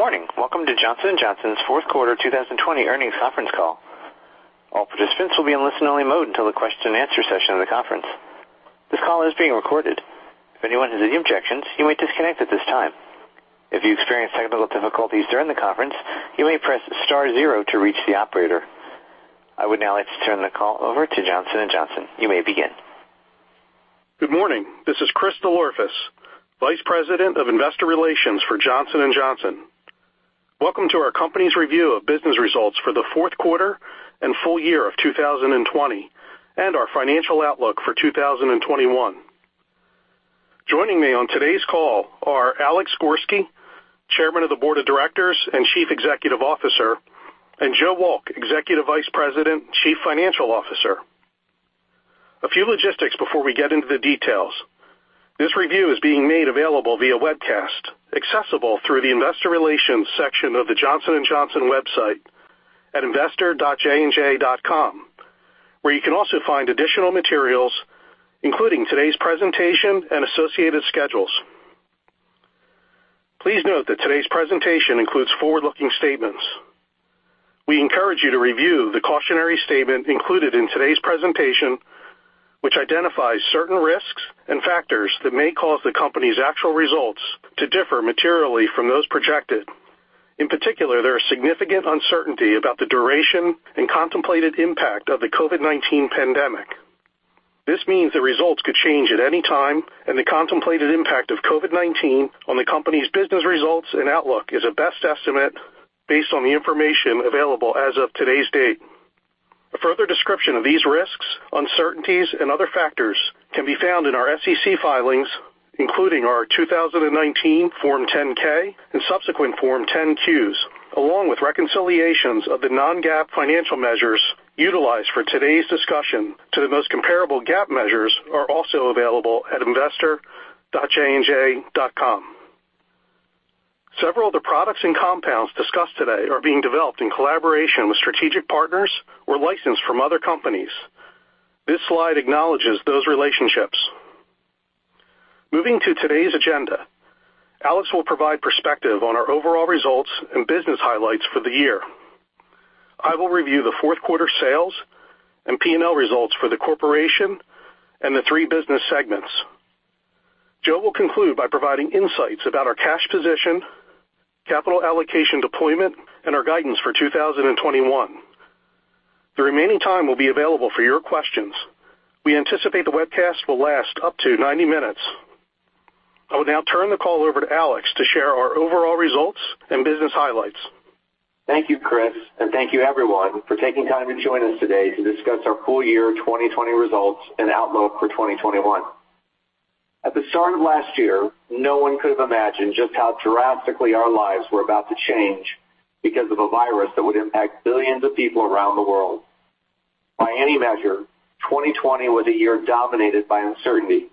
Good morning. Welcome to Johnson & Johnson's fourth quarter 2020 earnings conference call. All participants will be in listen-only mode until the question and answer session of the conference. This call is being recorded. If anyone has any objections, you may disconnect at this time. If you experience technical difficulties during the conference, you may press star zero to reach the operator. I would now like to turn the call over to Johnson & Johnson. You may begin. Good morning. This is Chris DelOrefice, Vice President of Investor Relations for Johnson & Johnson. Welcome to our company's review of business results for the fourth quarter and full year of 2020, and our financial outlook for 2021. Joining me on today's call are Alex Gorsky, Chairman of the Board of Directors and Chief Executive Officer, and Joseph J. Wolk, Executive Vice President, Chief Financial Officer. A few logistics before we get into the details. This review is being made available via webcast, accessible through the investor relations section of the Johnson & Johnson website at investor.jnj.com, where you can also find additional materials, including today's presentation and associated schedules. Please note that today's presentation includes forward-looking statements. We encourage you to review the cautionary statement included in today's presentation, which identifies certain risks and factors that may cause the company's actual results to differ materially from those projected. In particular, there is significant uncertainty about the duration and contemplated impact of the COVID-19 pandemic. This means the results could change at any time, and the contemplated impact of COVID-19 on the company's business results and outlook is a best estimate based on the information available as of today's date. A further description of these risks, uncertainties, and other factors can be found in our SEC filings, including our 2019 Form 10-K and subsequent Form 10-Qs, along with reconciliations of the non-GAAP financial measures utilized for today's discussion to the most comparable GAAP measures are also available at investor.jnj.com. Several of the products and compounds discussed today are being developed in collaboration with strategic partners or licensed from other companies. This slide acknowledges those relationships. Moving to today's agenda. Alex will provide perspective on our overall results and business highlights for the year. I will review the fourth quarter sales and P&L results for the corporation and the three business segments. Joseph will conclude by providing insights about our cash position, capital allocation deployment, and our guidance for 2021. The remaining time will be available for your questions. We anticipate the webcast will last up to 90 minutes. I will now turn the call over to Alex to share our overall results and business highlights. Thank you, Chris, and thank you everyone for taking time to join us today to discuss our full year 2020 results and outlook for 2021. At the start of last year, no one could have imagined just how drastically our lives were about to change because of a virus that would impact billions of people around the world. By any measure, 2020 was a year dominated by uncertainty.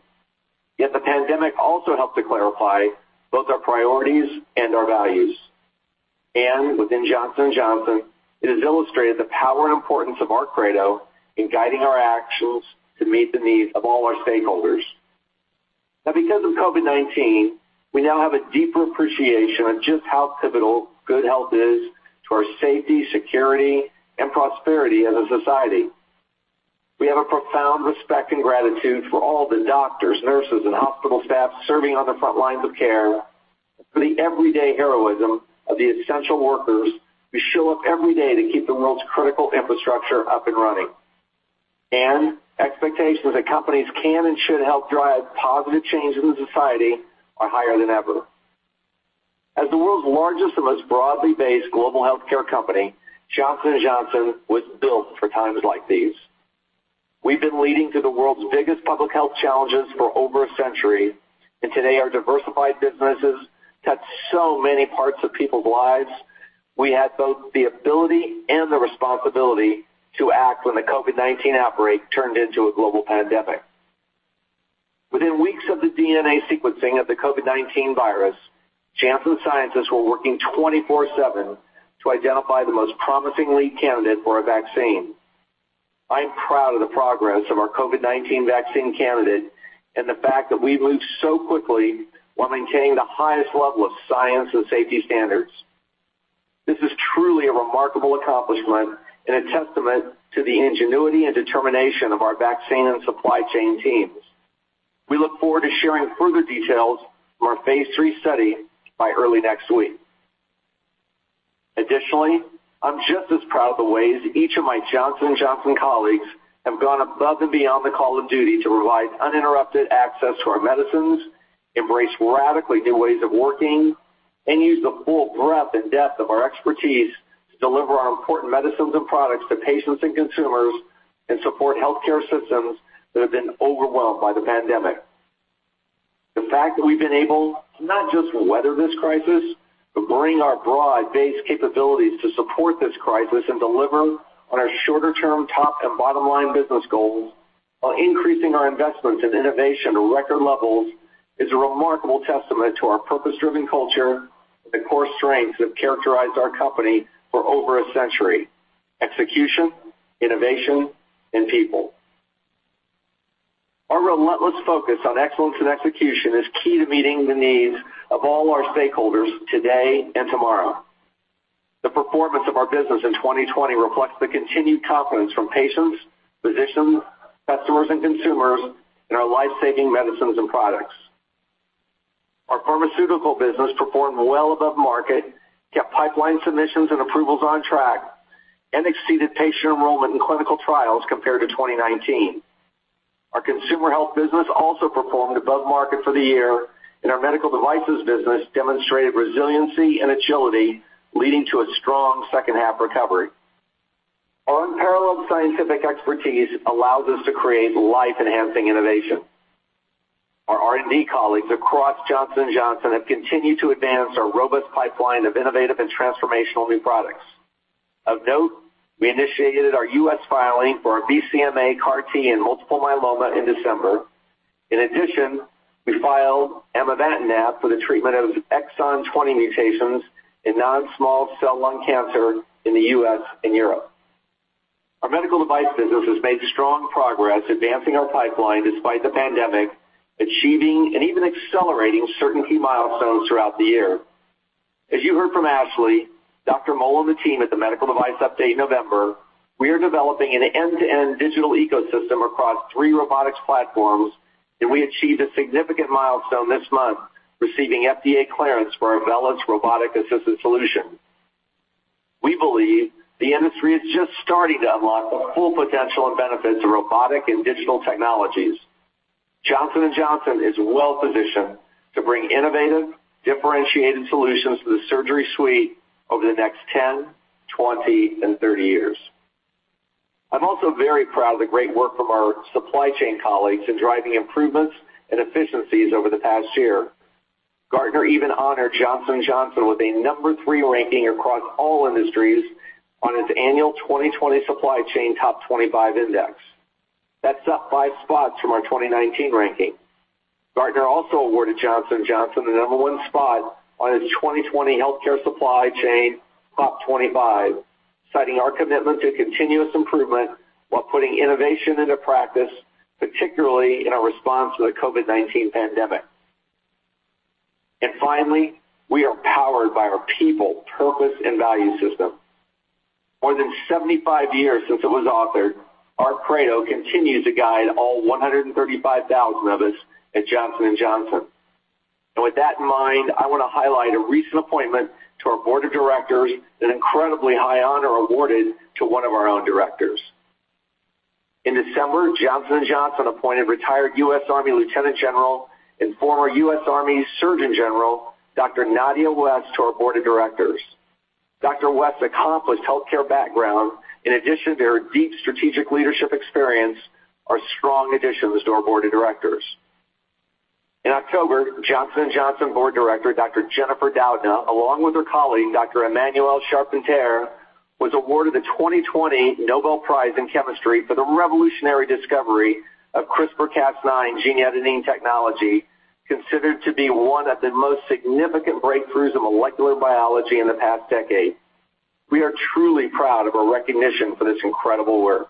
Yet the pandemic also helped to clarify both our priorities and our values. Within Johnson & Johnson, it has illustrated the power and importance of our Credo in guiding our actions to meet the needs of all our stakeholders. Now because of COVID-19, we now have a deeper appreciation of just how pivotal good health is to our safety, security, and prosperity as a society. We have a profound respect and gratitude for all the doctors, nurses, and hospital staff serving on the front lines of care, for the everyday heroism of the essential workers who show up every day to keep the world's critical infrastructure up and running. Expectations that companies can and should help drive positive change in the society are higher than ever. As the world's largest and most broadly based global healthcare company, Johnson & Johnson was built for times like these. We've been leading through the world's biggest public health challenges for over a century, and today our diversified businesses touch so many parts of people's lives. We had both the ability and the responsibility to act when the COVID-19 outbreak turned into a global pandemic. Within weeks of the DNA sequencing of the COVID-19 virus, Janssen scientists were working 24/7 to identify the most promising lead candidate for a vaccine. I am proud of the progress of our COVID-19 vaccine candidate and the fact that we've moved so quickly while maintaining the highest level of science and safety standards. This is truly a remarkable accomplishment and a testament to the ingenuity and determination of our vaccine and supply chain teams. We look forward to sharing further details from our phase III study by early next week. I'm just as proud of the ways each of my Johnson & Johnson colleagues have gone above and beyond the call of duty to provide uninterrupted access to our medicines, embrace radically new ways of working, and use the full breadth and depth of our expertise to deliver our important medicines and products to patients and consumers and support healthcare systems that have been overwhelmed by the pandemic. The fact that we've been able to not just weather this crisis, but bring our broad-based capabilities to support this crisis and deliver on our shorter-term top and bottom-line business goals while increasing our investments in innovation to record levels is a remarkable testament to our purpose-driven culture and the core strengths that have characterized our company for over a century. Execution, innovation, and people. Our relentless focus on excellence and execution is key to meeting the needs of all our stakeholders today and tomorrow. The performance of our business in 2020 reflects the continued confidence from patients, physicians, customers, and consumers in our life-saving medicines and products. Our pharmaceutical business performed well above market, kept pipeline submissions and approvals on track, and exceeded patient enrollment in clinical trials compared to 2019. Our Consumer Health business also performed above market for the year, and our Medical Devices business demonstrated resiliency and agility, leading to a strong second half recovery. Our unparalleled scientific expertise allows us to create life-enhancing innovation. Our R&D colleagues across Johnson & Johnson have continued to advance our robust pipeline of innovative and transformational new products. Of note, we initiated our U.S. filing for our BCMA CAR-T in multiple myeloma in December. In addition, we filed amivantamab for the treatment of EGFR exon 20 mutations in non-small cell lung cancer in the U.S. and Europe. Our medical device business has made strong progress advancing our pipeline despite the pandemic, achieving and even accelerating certain key milestones throughout the year. As you heard from Ashley, Dr. Fred Moll, and the team at the medical device update in November, we are developing an end-to-end digital ecosystem across three robotics platforms, and we achieved a significant milestone this month, receiving FDA clearance for our VELYS Robotic-Assisted Solution. Johnson & Johnson is well-positioned to bring innovative, differentiated solutions to the surgery suite over the next 10, 20, and 30 years. I'm also very proud of the great work from our supply chain colleagues in driving improvements and efficiencies over the past year. Gartner even honored Johnson & Johnson with a number three ranking across all industries on its annual 2020 Supply Chain Top 25 Index. That's up five spots from our 2019 ranking. Gartner also awarded Johnson & Johnson the number one spot on its 2020 Healthcare Supply Chain Top 25, citing our commitment to continuous improvement while putting innovation into practice, particularly in our response to the COVID-19 pandemic. Finally, we are powered by our people, purpose, and value system. More than 75 years since it was authored, our Credo continues to guide all 135,000 of us at Johnson & Johnson. With that in mind, I want to highlight a recent appointment to our Board of Directors, an incredibly high honor awarded to one of our own directors. In December, Johnson & Johnson appointed retired U.S. Army Lieutenant General and former U.S. Army Surgeon General, Dr. Nadja West, to our Board of Directors. Dr. West's accomplished healthcare background, in addition to her deep strategic leadership experience, are strong additions to our Board of Directors. In October, Johnson & Johnson Board Director Dr. Jennifer Doudna, along with her colleague Dr. Emmanuelle Charpentier, was awarded the 2020 Nobel Prize in Chemistry for the revolutionary discovery of CRISPR-Cas9 gene editing technology, considered to be one of the most significant breakthroughs in molecular biology in the past decade. We are truly proud of her recognition for this incredible work.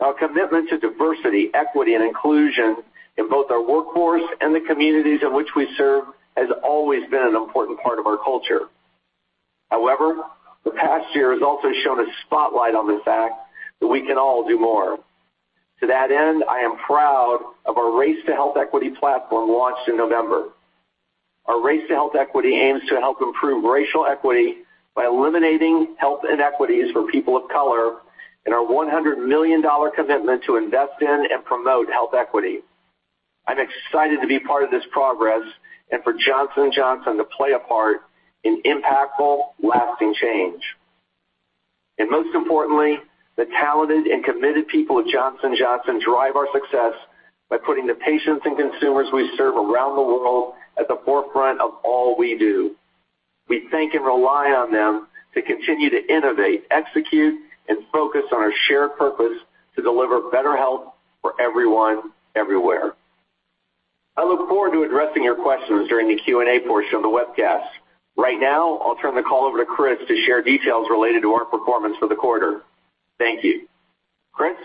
Our commitment to diversity, equity, and inclusion in both our workforce and the communities in which we serve has always been an important part of our culture. The past year has also shone a spotlight on the fact that we can all do more. To that end, I am proud of our Race to Health Equity platform launched in November. Our Race to Health Equity aims to help improve racial equity by eliminating health inequities for people of color and our $100 million commitment to invest in and promote health equity. I'm excited to be part of this progress and for Johnson & Johnson to play a part in impactful, lasting change. Most importantly, the talented and committed people at Johnson & Johnson drive our success by putting the patients and consumers we serve around the world at the forefront of all we do. We thank and rely on them to continue to innovate, execute, and focus on our shared purpose to deliver better health for everyone, everywhere. I look forward to addressing your questions during the Q&A portion of the webcast. Right now, I'll turn the call over to Chris to share details related to our performance for the quarter. Thank you. Chris?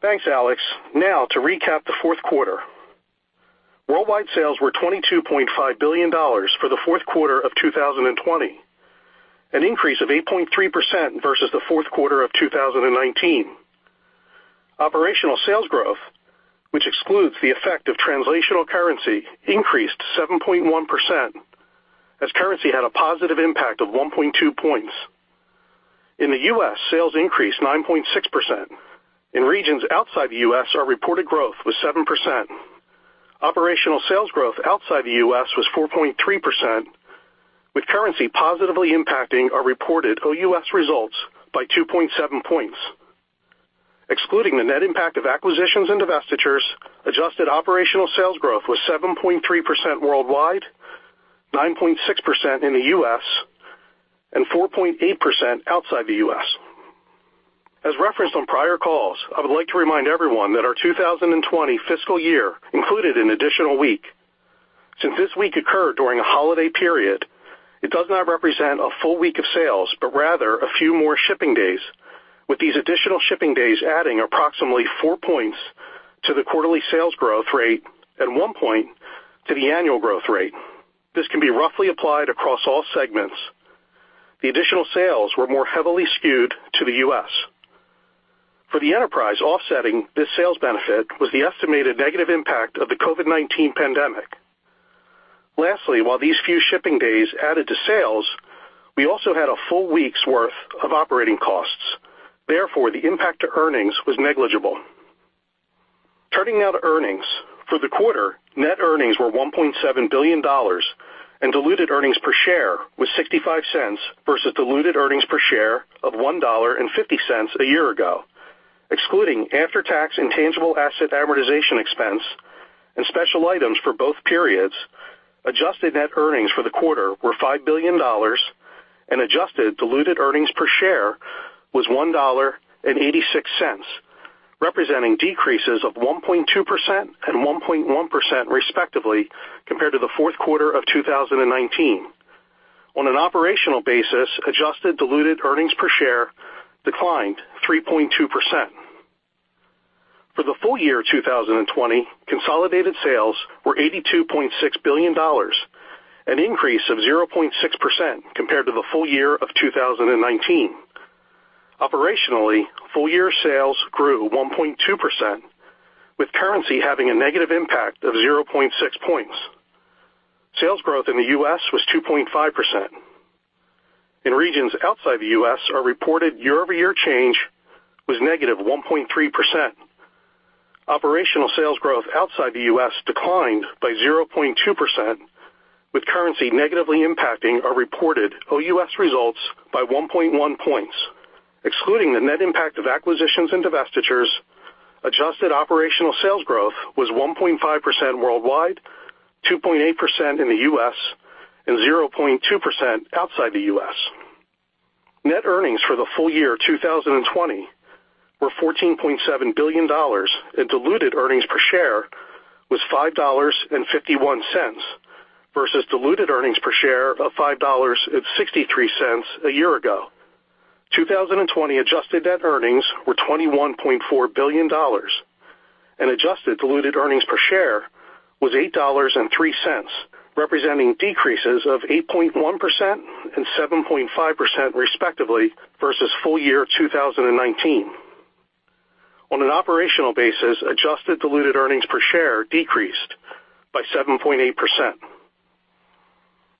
Thanks, Alex. Now, to recap the fourth quarter. Worldwide sales were $22.5 billion for the fourth quarter of 2020, an increase of 8.3% versus the fourth quarter of 2019. Operational sales growth, which excludes the effect of translational currency, increased 7.1% as currency had a positive impact of 1.2 points. In the U.S., sales increased 9.6%. In regions outside the U.S., our reported growth was 7%. Operational sales growth outside the U.S. was 4.3% with currency positively impacting our reported OUS results by 2.7 points. Excluding the net impact of acquisitions and divestitures, adjusted operational sales growth was 7.3% worldwide, 9.6% in the U.S., and 4.8% outside the U.S. As referenced on prior calls, I would like to remind everyone that our 2020 fiscal year included an additional week. Since this week occurred during a holiday period, it does not represent a full week of sales, but rather a few more shipping days, with these additional shipping days adding approximately four points to the quarterly sales growth rate and one point to the annual growth rate. This can be roughly applied across all segments. The additional sales were more heavily skewed to the U.S. For the enterprise, offsetting this sales benefit was the estimated negative impact of the COVID-19 pandemic. Lastly, while these few shipping days added to sales, we also had a full week's worth of operating costs. Therefore, the impact to earnings was negligible. Turning now to earnings. For the quarter, net earnings were $1.7 billion, and diluted earnings per share was $0.65 versus diluted earnings per share of $1.50 a year ago. Excluding after-tax intangible asset amortization expense and special items for both periods, adjusted net earnings for the quarter were $5 billion and adjusted diluted earnings per share was $1.86, representing decreases of 1.2% and 1.1% respectively compared to the fourth quarter of 2019. On an operational basis, adjusted diluted earnings per share declined 3.2%. For the full year 2020, consolidated sales were $82.6 billion, an increase of 0.6% compared to the full year of 2019. Operationally, full-year sales grew 1.2%, with currency having a negative impact of 0.6 points. Sales growth in the U.S. was 2.5%. In regions outside the U.S., our reported year-over-year change was negative 1.3%. Operational sales growth outside the U.S. declined by 0.2%, with currency negatively impacting our reported OUS results by 1.1 points. Excluding the net impact of acquisitions and divestitures, adjusted operational sales growth was 1.5% worldwide, 2.8% in the U.S., and 0.2% outside the U.S. Net earnings for the full year 2020 were $14.7 billion, and diluted earnings per share was $5.51 versus diluted earnings per share of $5.63 a year ago. 2020 adjusted net earnings were $21.4 billion, and adjusted diluted earnings per share was $8.03, representing decreases of 8.1% and 7.5% respectively versus full-year 2019. On an operational basis, adjusted diluted earnings per share decreased by 7.8%.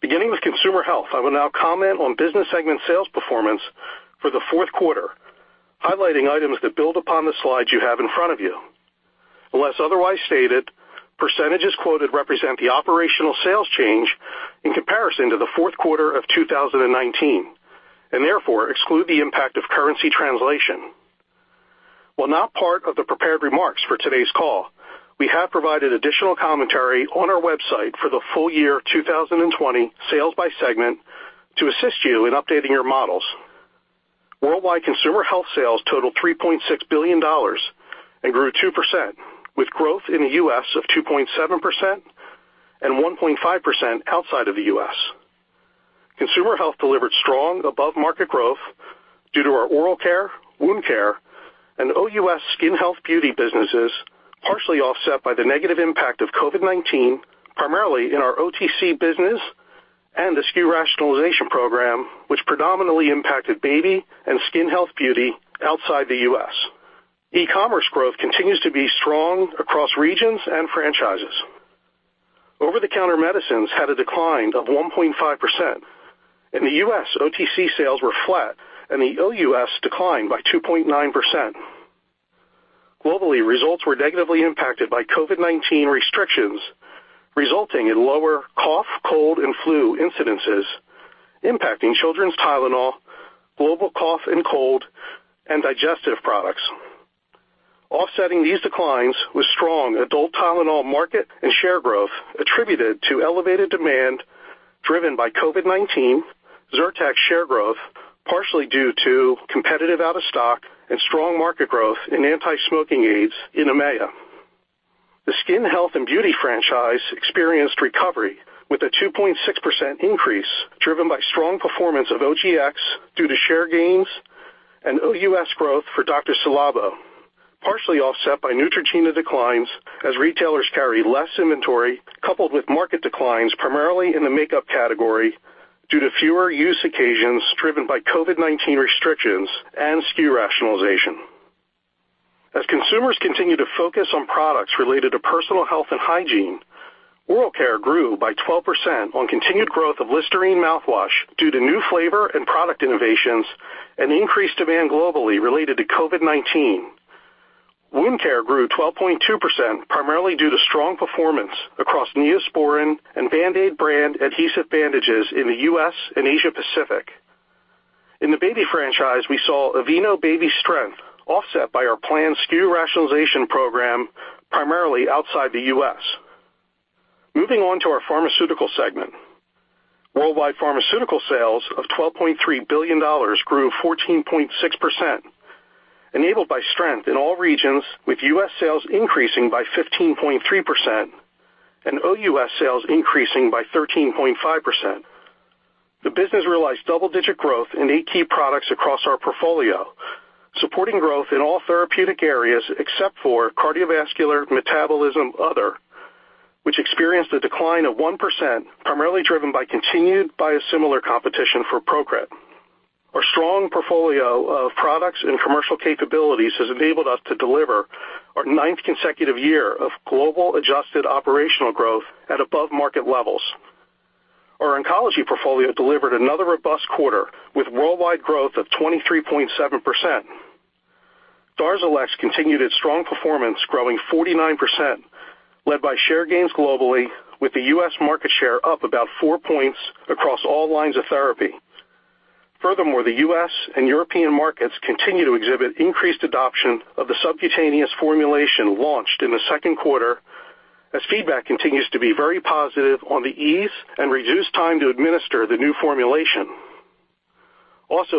Beginning with Consumer Health, I will now comment on business segment sales performance for the fourth quarter, highlighting items that build upon the slides you have in front of you. Unless otherwise stated, percentages quoted represent the operational sales change in comparison to the fourth quarter of 2019, and therefore exclude the impact of currency translation. While not part of the prepared remarks for today's call, we have provided additional commentary on our website for the full year 2020 sales by segment to assist you in updating your models. Worldwide Consumer Health sales totaled $3.6 billion and grew 2%, with growth in the U.S. of 2.7% and 1.5% outside of the U.S. Consumer Health delivered strong above-market growth due to our Oral Care, Wound Care, and OUS Skin Health/Beauty businesses, partially offset by the negative impact of COVID-19, primarily in our OTC business and the SKU rationalization program, which predominantly impacted Baby and Skin Health/Beauty outside the U.S. E-commerce growth continues to be strong across regions and franchises. Over-the-counter medicines had a decline of 1.5%. In the U.S., OTC sales were flat and the OUS declined by 2.9%. Globally, results were negatively impacted by COVID-19 restrictions, resulting in lower cough, cold, and flu incidences impacting children's Tylenol, global cough and cold, and digestive products. Offsetting these declines was strong adult Tylenol market and share growth attributed to elevated demand driven by COVID-19, Zyrtec share growth, partially due to competitive out-of-stock and strong market growth in anti-smoking aids in EMEA. The Skin Health and Beauty franchise experienced recovery with a 2.6% increase driven by strong performance of OGX due to share gains and OUS growth for Dr. Ci:Labo, partially offset by Neutrogena declines as retailers carry less inventory, coupled with market declines primarily in the makeup category due to fewer use occasions driven by COVID-19 restrictions and SKU rationalization. As consumers continue to focus on products related to personal health and hygiene, Oral Care grew by 12% on continued growth of Listerine mouthwash due to new flavor and product innovations and increased demand globally related to COVID-19. Wound Care grew 12.2%, primarily due to strong performance across Neosporin and Band-Aid Brand adhesive bandages in the U.S. and Asia Pacific. In the Baby franchise, we saw Aveeno Baby strength offset by our planned SKU rationalization program primarily outside the U.S. Moving on to our Pharmaceutical segment. Worldwide pharmaceutical sales of $12.3 billion grew 14.6%, enabled by strength in all regions, with U.S. sales increasing by 15.3% and OUS sales increasing by 13.5%. The business realized double-digit growth in eight key products across our portfolio, supporting growth in all therapeutic areas except for cardiovascular metabolism other, which experienced a decline of 1%, primarily driven by continued biosimilar competition for PROCRIT. Our strong portfolio of products and commercial capabilities has enabled us to deliver our ninth consecutive year of global adjusted operational growth at above market levels. Our oncology portfolio delivered another robust quarter with worldwide growth of 23.7%. DARZALEX continued its strong performance, growing 49%, led by share gains globally with the U.S. market share up about four points across all lines of therapy. Furthermore, the U.S. and European markets continue to exhibit increased adoption of the subcutaneous formulation launched in the second quarter, as feedback continues to be very positive on the ease and reduced time to administer the new formulation.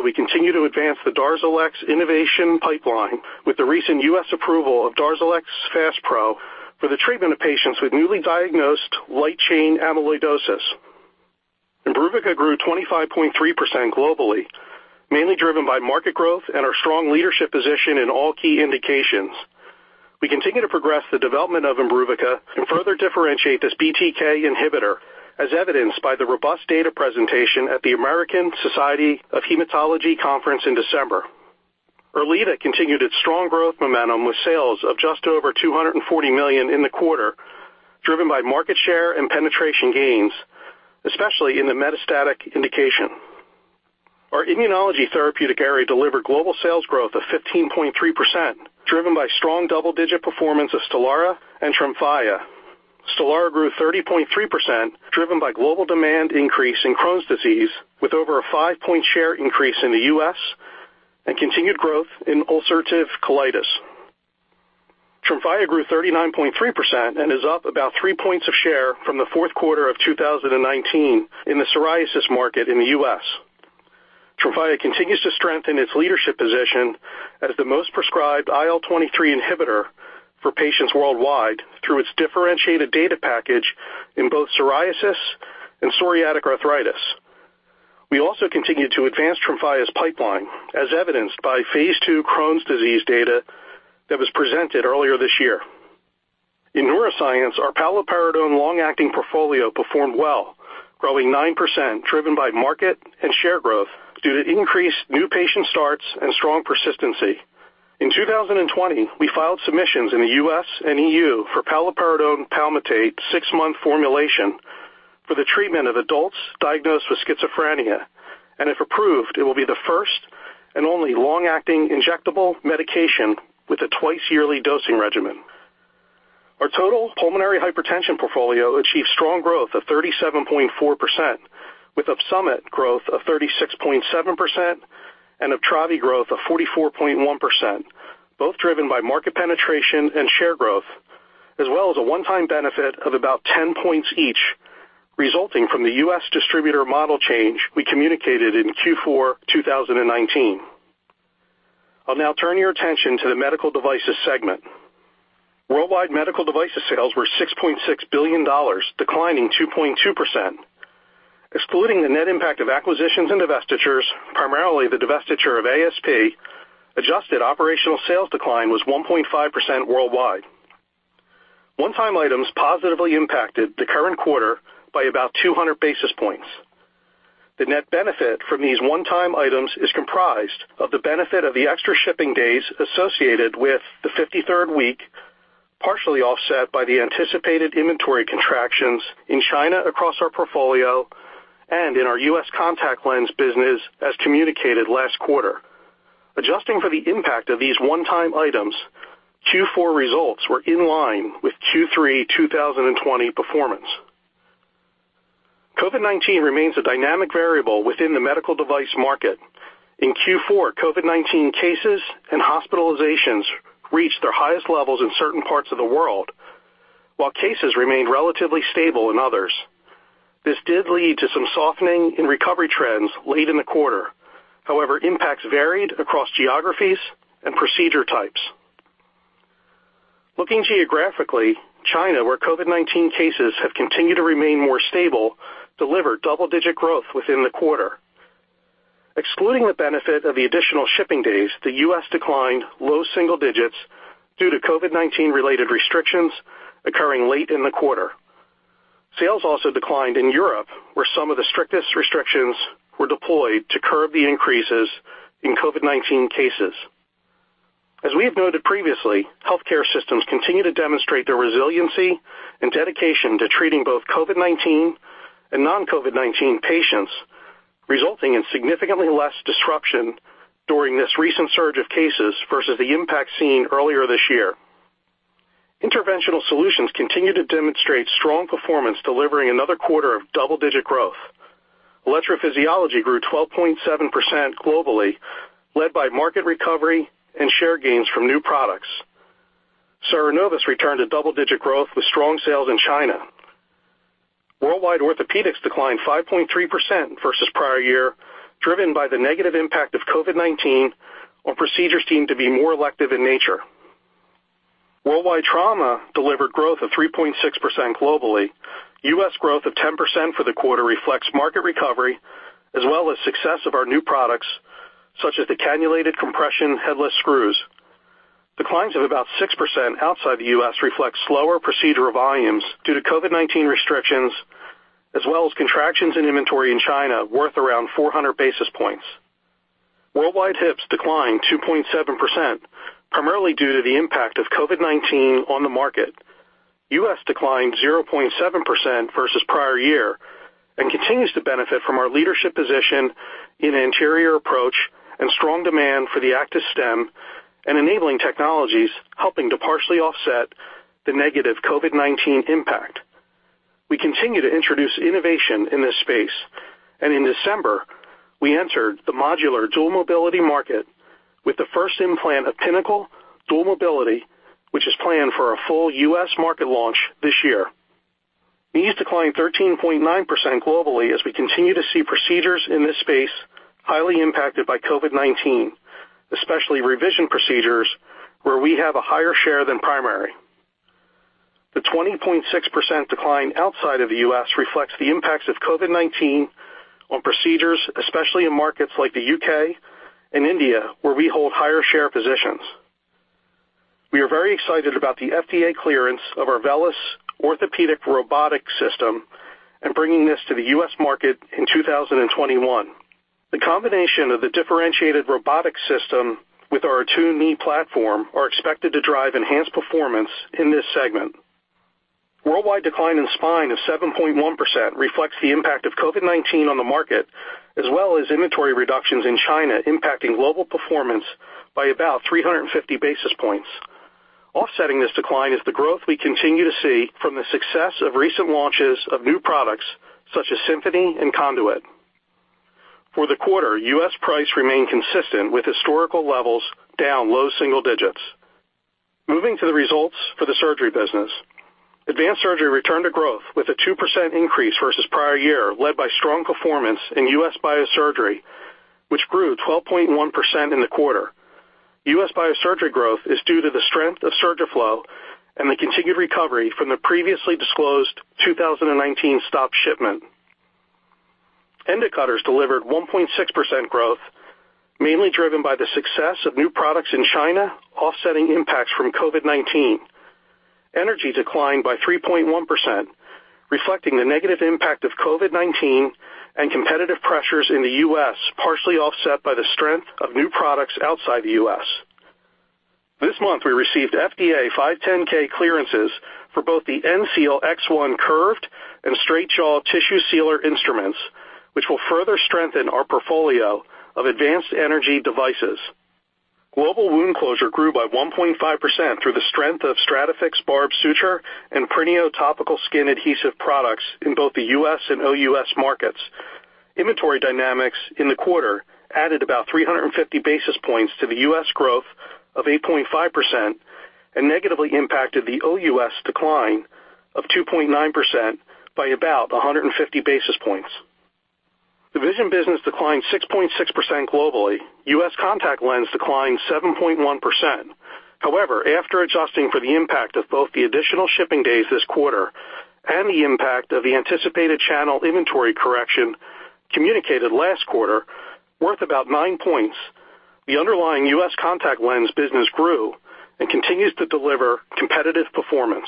We continue to advance the DARZALEX innovation pipeline with the recent U.S. approval of DARZALEX FASPRO for the treatment of patients with newly diagnosed light chain amyloidosis. IMBRUVICA grew 25.3% globally, mainly driven by market growth and our strong leadership position in all key indications. We continue to progress the development of IMBRUVICA and further differentiate this BTK inhibitor, as evidenced by the robust data presentation at the American Society of Hematology Conference in December. ERLEADA continued its strong growth momentum with sales of just over $240 million in the quarter, driven by market share and penetration gains, especially in the metastatic indication. Our immunology therapeutic area delivered global sales growth of 15.3%, driven by strong double-digit performance of STELARA and TREMFYA. STELARA grew 30.3%, driven by global demand increase in Crohn's disease, with over a five-point share increase in the U.S. and continued growth in ulcerative colitis. TREMFYA grew 39.3% and is up about three points of share from the fourth quarter of 2019 in the psoriasis market in the U.S. TREMFYA continues to strengthen its leadership position as the most prescribed IL-23 inhibitor for patients worldwide through its differentiated data package in both psoriasis and psoriatic arthritis. We also continue to advance TREMFYA's pipeline, as evidenced by phase II Crohn's disease data that was presented earlier this year. In neuroscience, our paliperidone long-acting portfolio performed well, growing 9%, driven by market and share growth due to increased new patient starts and strong persistency. In 2020, we filed submissions in the U.S. and EU for paliperidone palmitate six-month formulation for the treatment of adults diagnosed with schizophrenia, and if approved, it will be the first and only long-acting injectable medication with a twice yearly dosing regimen. Our total pulmonary hypertension portfolio achieved strong growth of 37.4%, with OPSUMIT growth of 36.7% and UPTRAVI growth of 44.1%, both driven by market penetration and share growth, as well as a one-time benefit of about 10 points each, resulting from the U.S. distributor model change we communicated in Q4 2019. I'll now turn your attention to the Medical Devices segment. Worldwide medical devices sales were $6.6 billion, declining 2.2%. Excluding the net impact of acquisitions and divestitures, primarily the divestiture of ASP, adjusted operational sales decline was 1.5% worldwide. One-time items positively impacted the current quarter by about 200 basis points. The net benefit from these one-time items is comprised of the benefit of the extra shipping days associated with the 53rd week, partially offset by the anticipated inventory contractions in China across our portfolio and in our U.S. contact lens business, as communicated last quarter. Adjusting for the impact of these one-time items, Q4 results were in line with Q3 2020 performance. COVID-19 remains a dynamic variable within the medical device market. In Q4, COVID-19 cases and hospitalizations reached their highest levels in certain parts of the world, while cases remained relatively stable in others. This did lead to some softening in recovery trends late in the quarter. However, impacts varied across geographies and procedure types. Looking geographically, China, where COVID-19 cases have continued to remain more stable, delivered double-digit growth within the quarter. Excluding the benefit of the additional shipping days, the U.S. declined low single digits due to COVID-19 related restrictions occurring late in the quarter. Sales also declined in Europe, where some of the strictest restrictions were deployed to curb the increases in COVID-19 cases. As we have noted previously, healthcare systems continue to demonstrate their resiliency and dedication to treating both COVID-19 and non-COVID-19 patients, resulting in significantly less disruption during this recent surge of cases versus the impact seen earlier this year. Interventional solutions continue to demonstrate strong performance, delivering another quarter of double-digit growth. Electrophysiology grew 12.7% globally, led by market recovery and share gains from new products. CERENOVUS returned to double-digit growth with strong sales in China. Worldwide orthopedics declined 5.3% versus prior year, driven by the negative impact of COVID-19 on procedures deemed to be more elective in nature. Worldwide trauma delivered growth of 3.6% globally. U.S. growth of 10% for the quarter reflects market recovery as well as success of our new products, such as the cannulated compression headless screws. Declines of about 6% outside the U.S. reflect slower procedural volumes due to COVID-19 restrictions, as well as contractions in inventory in China worth around 400 basis points. Worldwide hips declined 2.7%, primarily due to the impact of COVID-19 on the market. U.S. declined 0.7% versus prior year and continues to benefit from our leadership position in anterior approach and strong demand for the ACTIS stem and enabling technologies, helping to partially offset the negative COVID-19 impact. We continue to introduce innovation in this space, and in December, we entered the modular dual mobility market with the first implant of PINNACLE Dual Mobility, which is planned for a full U.S. market launch this year. Knees declined 13.9% globally as we continue to see procedures in this space highly impacted by COVID-19, especially revision procedures where we have a higher share than primary. The 20.6% decline outside of the U.S. reflects the impacts of COVID-19 on procedures, especially in markets like the U.K. and India, where we hold higher share positions. We are very excited about the FDA clearance of our VELYS Robotic-Assisted Solution orthopedic robotics system and bringing this to the U.S. market in 2021. The combination of the differentiated robotics system with our ATTUNE knee platform are expected to drive enhanced performance in this segment. Worldwide decline in spine of 7.1% reflects the impact of COVID-19 on the market, as well as inventory reductions in China impacting global performance by about 350 basis points. Offsetting this decline is the growth we continue to see from the success of recent launches of new products such as SYMPHONY and CONDUIT. For the quarter, U.S. price remained consistent with historical levels down low single digits. Moving to the results for the surgery business. Advanced surgery returned to growth with a 2% increase versus prior year, led by strong performance in U.S. biosurgery, which grew 12.1% in the quarter. U.S. biosurgery growth is due to the strength of SURGIFLO and the continued recovery from the previously disclosed 2019 stopped shipment. Endocutters delivered 1.6% growth, mainly driven by the success of new products in China, offsetting impacts from COVID-19. Energy declined by 3.1%, reflecting the negative impact of COVID-19 and competitive pressures in the U.S., partially offset by the strength of new products outside the U.S. This month, we received FDA 510(k) clearances for both the ENSEAL X1 curved and straight-jaw tissue sealer instruments, which will further strengthen our portfolio of advanced energy devices. Global wound closure grew by 1.5% through the strength of STRATAFIX barbed suture and DERMABOND PRINEO topical skin adhesive products in both the U.S. and OUS markets. Inventory dynamics in the quarter added about 350 basis points to the U.S. growth of 8.5% and negatively impacted the OUS decline of 2.9% by about 150 basis points. The vision business declined 6.6% globally. U.S. contact lens declined 7.1%. After adjusting for the impact of both the additional shipping days this quarter and the impact of the anticipated channel inventory correction communicated last quarter worth about nine points, the underlying U.S. contact lens business grew and continues to deliver competitive performance.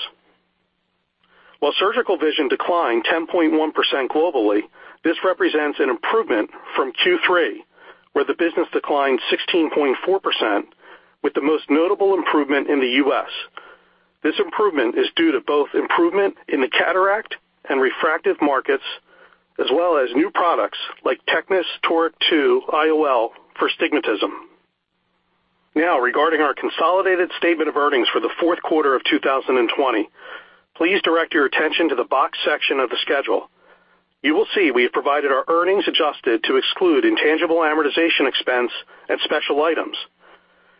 Surgical vision declined 10.1% globally, this represents an improvement from Q3, where the business declined 16.4%, with the most notable improvement in the U.S. This improvement is due to both improvement in the cataract and refractive markets, as well as new products like TECNIS Toric II 1-Piece IOL for astigmatism. Regarding our consolidated statement of earnings for the fourth quarter of 2020. Please direct your attention to the box section of the schedule. You will see we have provided our earnings adjusted to exclude intangible amortization expense and special items.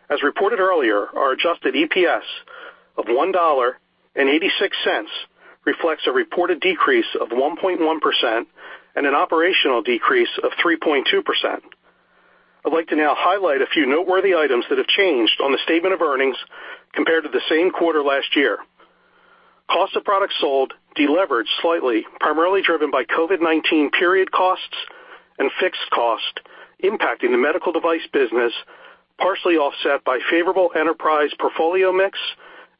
As reported earlier, our adjusted EPS of $1.86 reflects a reported decrease of 1.1% and an operational decrease of 3.2%. I'd like to now highlight a few noteworthy items that have changed on the statement of earnings compared to the same quarter last year. Cost of products sold deleveraged slightly, primarily driven by COVID-19 period costs and fixed cost impacting the medical device business, partially offset by favorable enterprise portfolio mix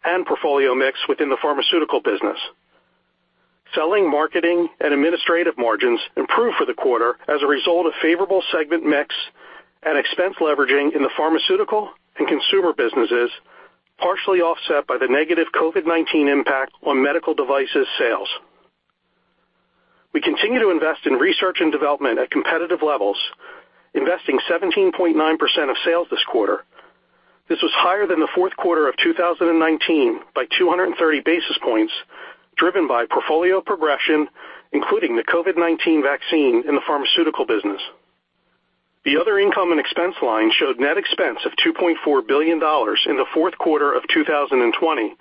and portfolio mix within the pharmaceutical business. Selling, marketing, and administrative margins improved for the quarter as a result of favorable segment mix and expense leveraging in the pharmaceutical and consumer businesses, partially offset by the negative COVID-19 impact on medical devices sales. We continue to invest in research and development at competitive levels, investing 17.9% of sales this quarter. This was higher than the fourth quarter of 2019 by 230 basis points, driven by portfolio progression, including the COVID-19 vaccine in the pharmaceutical business. The other income and expense line showed net expense of $2.4 billion in the fourth quarter of 2020,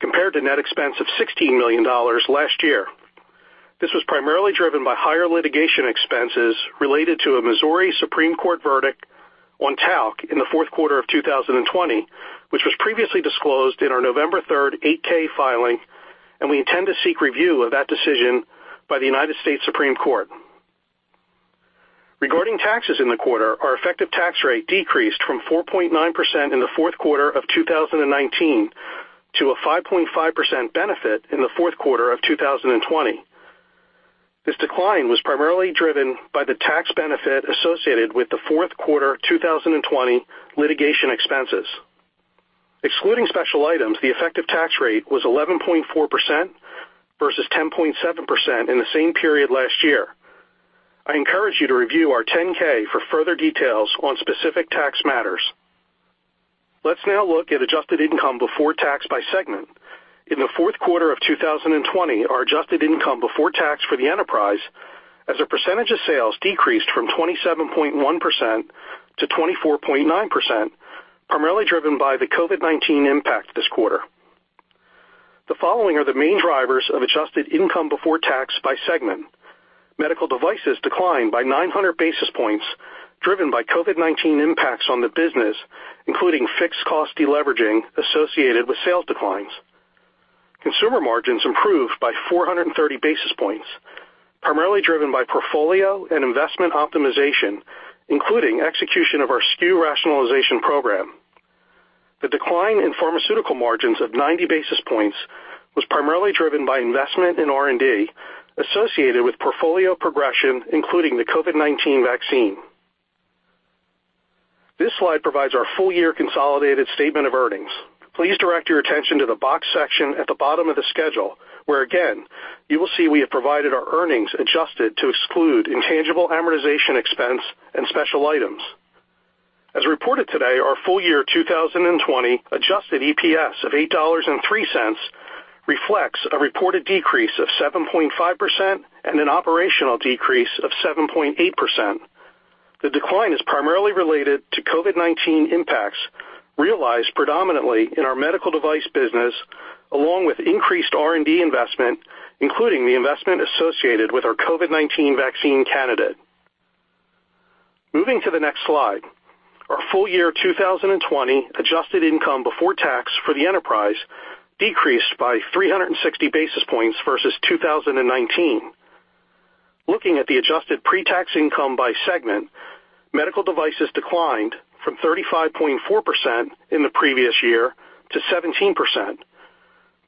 compared to net expense of $16 million last year. This was primarily driven by higher litigation expenses related to a Missouri Supreme Court verdict on talc in the fourth quarter of 2020, which was previously disclosed in our November 3rd 8-K filing, and we intend to seek review of that decision by the United States Supreme Court. Regarding taxes in the quarter, our effective tax rate decreased from 4.9% in the fourth quarter of 2019 to a 5.5% benefit in the fourth quarter of 2020. This decline was primarily driven by the tax benefit associated with the fourth quarter 2020 litigation expenses. Excluding special items, the effective tax rate was 11.4% versus 10.7% in the same period last year. I encourage you to review our 10-K for further details on specific tax matters. Let's now look at adjusted income before tax by segment. In the fourth quarter of 2020, our adjusted income before tax for the enterprise as a percentage of sales decreased from 27.1%-24.9%, primarily driven by the COVID-19 impact this quarter. The following are the main drivers of adjusted income before tax by segment. Medical Devices declined by 900 basis points, driven by COVID-19 impacts on the business, including fixed cost deleveraging associated with sales declines. Consumer margins improved by 430 basis points, primarily driven by portfolio and investment optimization, including execution of our SKU rationalization program. The decline in Pharmaceutical margins of 90 basis points was primarily driven by investment in R&D associated with portfolio progression, including the COVID-19 vaccine. This slide provides our full-year consolidated statement of earnings. Please direct your attention to the boxed section at the bottom of the schedule, where again, you will see we have provided our earnings adjusted to exclude intangible amortization expense and special items. As reported today, our full-year 2020 adjusted EPS of $8.03 reflects a reported decrease of 7.5% and an operational decrease of 7.8%. The decline is primarily related to COVID-19 impacts realized predominantly in our Medical Device business, along with increased R&D investment, including the investment associated with our COVID-19 vaccine candidate. Moving to the next slide, our full-year 2020 adjusted income before tax for the enterprise decreased by 360 basis points versus 2019. Looking at the adjusted pre-tax income by segment, Medical Devices declined from 35.4% in the previous year to 17%,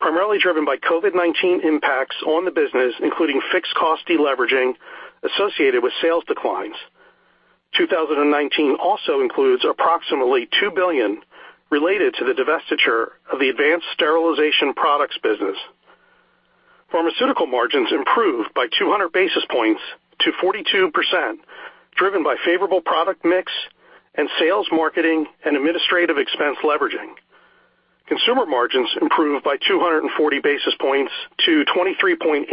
primarily driven by COVID-19 impacts on the business, including fixed cost deleveraging associated with sales declines. 2019 also includes approximately $2 billion related to the divestiture of the Advanced Sterilization Products business. Pharmaceutical margins improved by 200 basis points to 42%, driven by favorable product mix and sales, marketing, and administrative expense leveraging. Consumer margins improved by 240 basis points to 23.8%,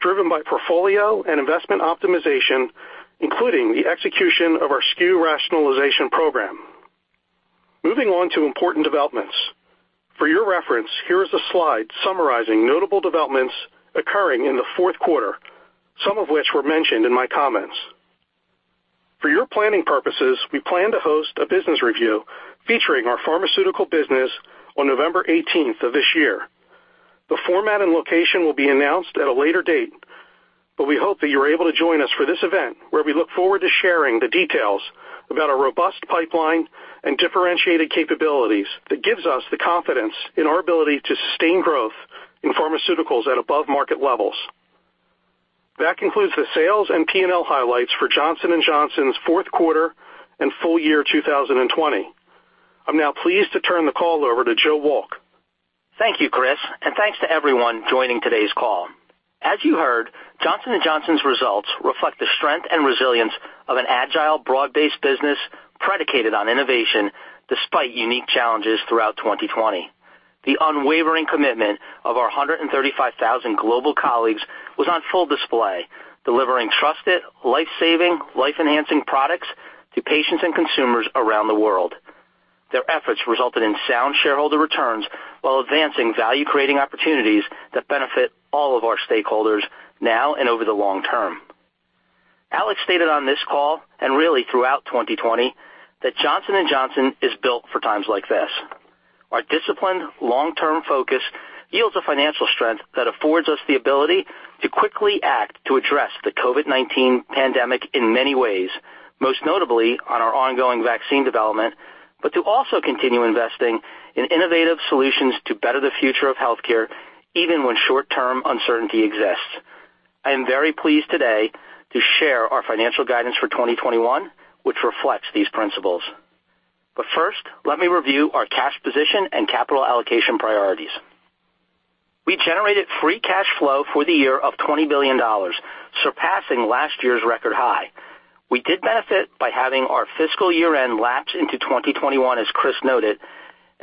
driven by portfolio and investment optimization, including the execution of our SKU rationalization program. Moving on to important developments. For your reference, here is a slide summarizing notable developments occurring in the fourth quarter, some of which were mentioned in my comments. For your planning purposes, we plan to host a business review featuring our Pharmaceutical business on November 18th of this year. The format and location will be announced at a later date, but we hope that you are able to join us for this event where we look forward to sharing the details about a robust pipeline and differentiated capabilities that gives us the confidence in our ability to sustain growth in pharmaceuticals at above-market levels. That concludes the sales and P&L highlights for Johnson & Johnson's fourth quarter and full year 2020. I'm now pleased to turn the call over to Joseph J. Wolk. Thank you, Chris, and thanks to everyone joining today's call. As you heard, Johnson & Johnson's results reflect the strength and resilience of an agile, broad-based business predicated on innovation despite unique challenges throughout 2020. The unwavering commitment of our 135,000 global colleagues was on full display, delivering trusted, life-saving, life-enhancing products to patients and consumers around the world. Their efforts resulted in sound shareholder returns while advancing value-creating opportunities that benefit all of our stakeholders now and over the long term. Alex stated on this call, and really throughout 2020, that Johnson & Johnson is built for times like this. Our disciplined, long-term focus yields a financial strength that affords us the ability to quickly act to address the COVID-19 pandemic in many ways, most notably on our ongoing vaccine development, but to also continue investing in innovative solutions to better the future of healthcare, even when short-term uncertainty exists. I am very pleased today to share our financial guidance for 2021, which reflects these principles. First, let me review our cash position and capital allocation priorities. We generated free cash flow for the year of $20 billion, surpassing last year's record high. We did benefit by having our fiscal year-end lapse into 2021, as Chris noted.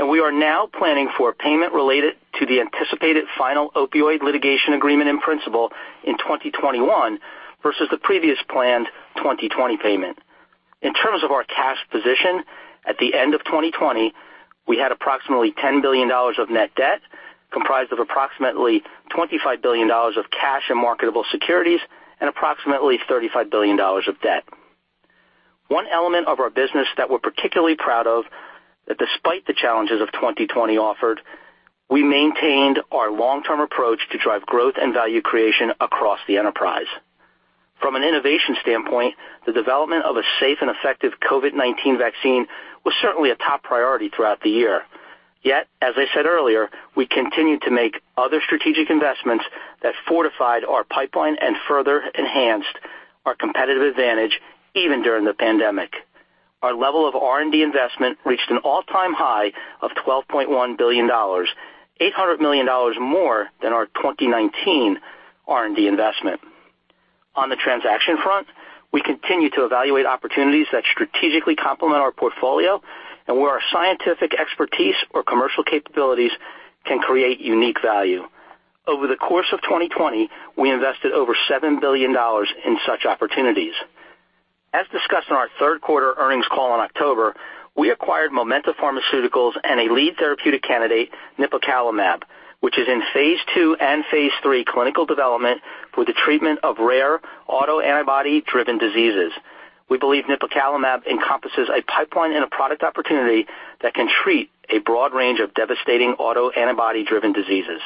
We are now planning for payment related to the anticipated final opioid litigation agreement in principle in 2021 versus the previous planned 2020 payment. In terms of our cash position, at the end of 2020, we had approximately $10 billion of net debt, comprised of approximately $25 billion of cash and marketable securities and approximately $35 billion of debt. One element of our business that we're particularly proud of, that despite the challenges of 2020 offered, we maintained our long-term approach to drive growth and value creation across the enterprise. From an innovation standpoint, the development of a safe and effective COVID-19 vaccine was certainly a top priority throughout the year. As I said earlier, we continued to make other strategic investments that fortified our pipeline and further enhanced our competitive advantage even during the pandemic. Our level of R&D investment reached an all-time high of $12.1 billion, $800 million more than our 2019 R&D investment. On the transaction front, we continue to evaluate opportunities that strategically complement our portfolio and where our scientific expertise or commercial capabilities can create unique value. Over the course of 2020, we invested over $7 billion in such opportunities. As discussed on our third quarter earnings call in October, we acquired Momenta Pharmaceuticals and a lead therapeutic candidate, nipocalimab, which is in phase II and phase III clinical development for the treatment of rare autoantibody-driven diseases. We believe nipocalimab encompasses a pipeline and a product opportunity that can treat a broad range of devastating autoantibody-driven diseases.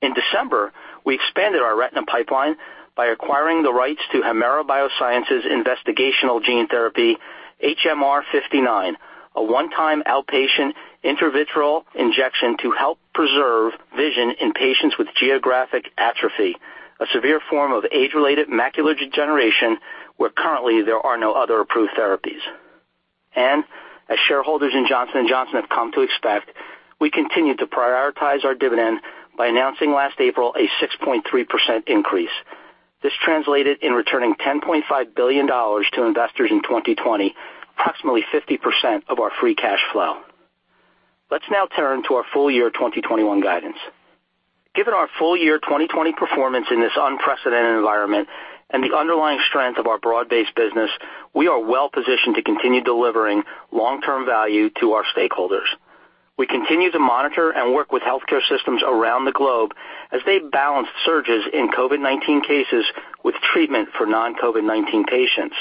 In December, we expanded our retina pipeline by acquiring the rights to Hemera Biosciences investigational gene therapy, HMR59, a one-time outpatient intravitreal injection to help preserve vision in patients with geographic atrophy, a severe form of age-related macular degeneration, where currently there are no other approved therapies. As shareholders in Johnson & Johnson have come to expect, we continue to prioritize our dividend by announcing last April a 6.3% increase. This translated in returning $10.5 billion to investors in 2020, approximately 50% of our free cash flow. Let's now turn to our full year 2021 guidance. Given our full year 2020 performance in this unprecedented environment and the underlying strength of our broad-based business, we are well-positioned to continue delivering long-term value to our stakeholders. We continue to monitor and work with healthcare systems around the globe as they balance surges in COVID-19 cases with treatment for non-COVID-19 patients.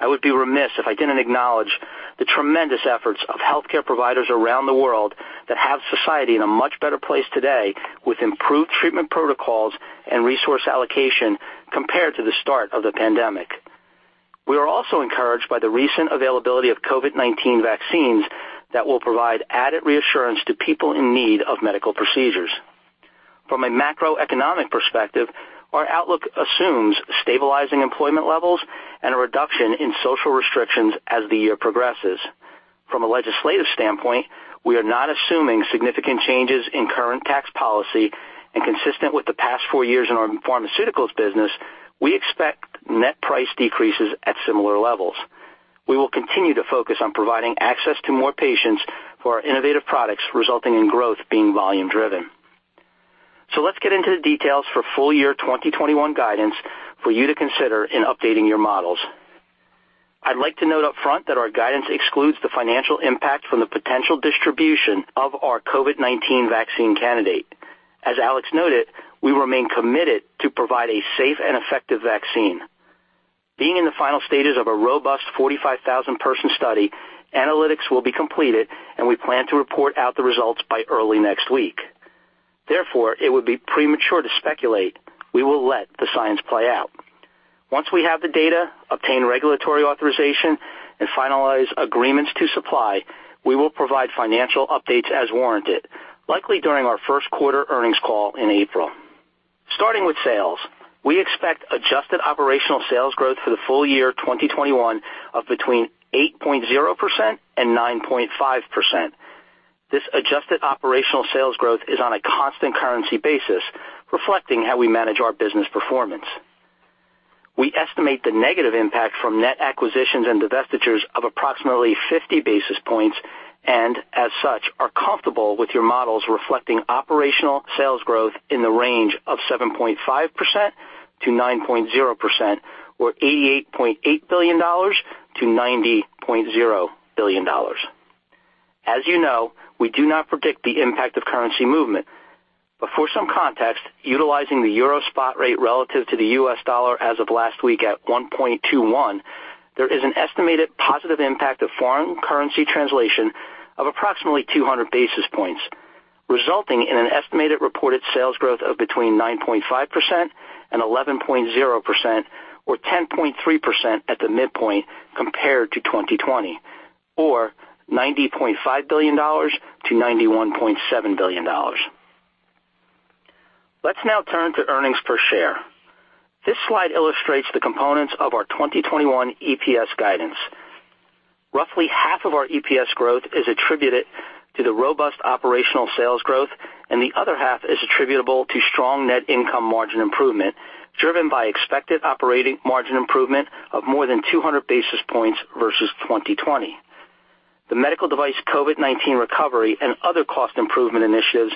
I would be remiss if I didn't acknowledge the tremendous efforts of healthcare providers around the world that have society in a much better place today with improved treatment protocols and resource allocation compared to the start of the pandemic. We are also encouraged by the recent availability of COVID-19 vaccines that will provide added reassurance to people in need of medical procedures. From a macroeconomic perspective, our outlook assumes stabilizing employment levels and a reduction in social restrictions as the year progresses. From a legislative standpoint, we are not assuming significant changes in current tax policy, and consistent with the past four years in our pharmaceuticals business, we expect net price decreases at similar levels. We will continue to focus on providing access to more patients for our innovative products, resulting in growth being volume driven. Let's get into the details for full year 2021 guidance for you to consider in updating your models. I'd like to note up front that our guidance excludes the financial impact from the potential distribution of our COVID-19 vaccine candidate. As Alex noted, we remain committed to provide a safe and effective vaccine. Being in the final stages of a robust 45,000-person study, analytics will be completed, and we plan to report out the results by early next week. It would be premature to speculate. We will let the science play out. Once we have the data, obtain regulatory authorization, and finalize agreements to supply, we will provide financial updates as warranted, likely during our first quarter earnings call in April. Starting with sales, we expect adjusted operational sales growth for the full year 2021 of between 8.0% and 9.5%. This adjusted operational sales growth is on a constant currency basis, reflecting how we manage our business performance. We estimate the negative impact from net acquisitions and divestitures of approximately 50 basis points and, as such, are comfortable with your models reflecting operational sales growth in the range of 7.5%-9.0%, or $88.8 billion-$90.0 billion. As you know, we do not predict the impact of currency movement. For some context, utilizing the euro spot rate relative to the US dollar as of last week at 1.21, there is an estimated positive impact of foreign currency translation of approximately 200 basis points, resulting in an estimated reported sales growth of between 9.5% and 11.0%, or 10.3% at the midpoint compared to 2020, or $90.5 billion-$91.7 billion. Let's now turn to earnings per share. This slide illustrates the components of our 2021 EPS guidance. Roughly half of our EPS growth is attributed to the robust operational sales growth, and the other half is attributable to strong net income margin improvement. Driven by expected operating margin improvement of more than 200 basis points versus 2020. The medical device COVID-19 recovery and other cost improvement initiatives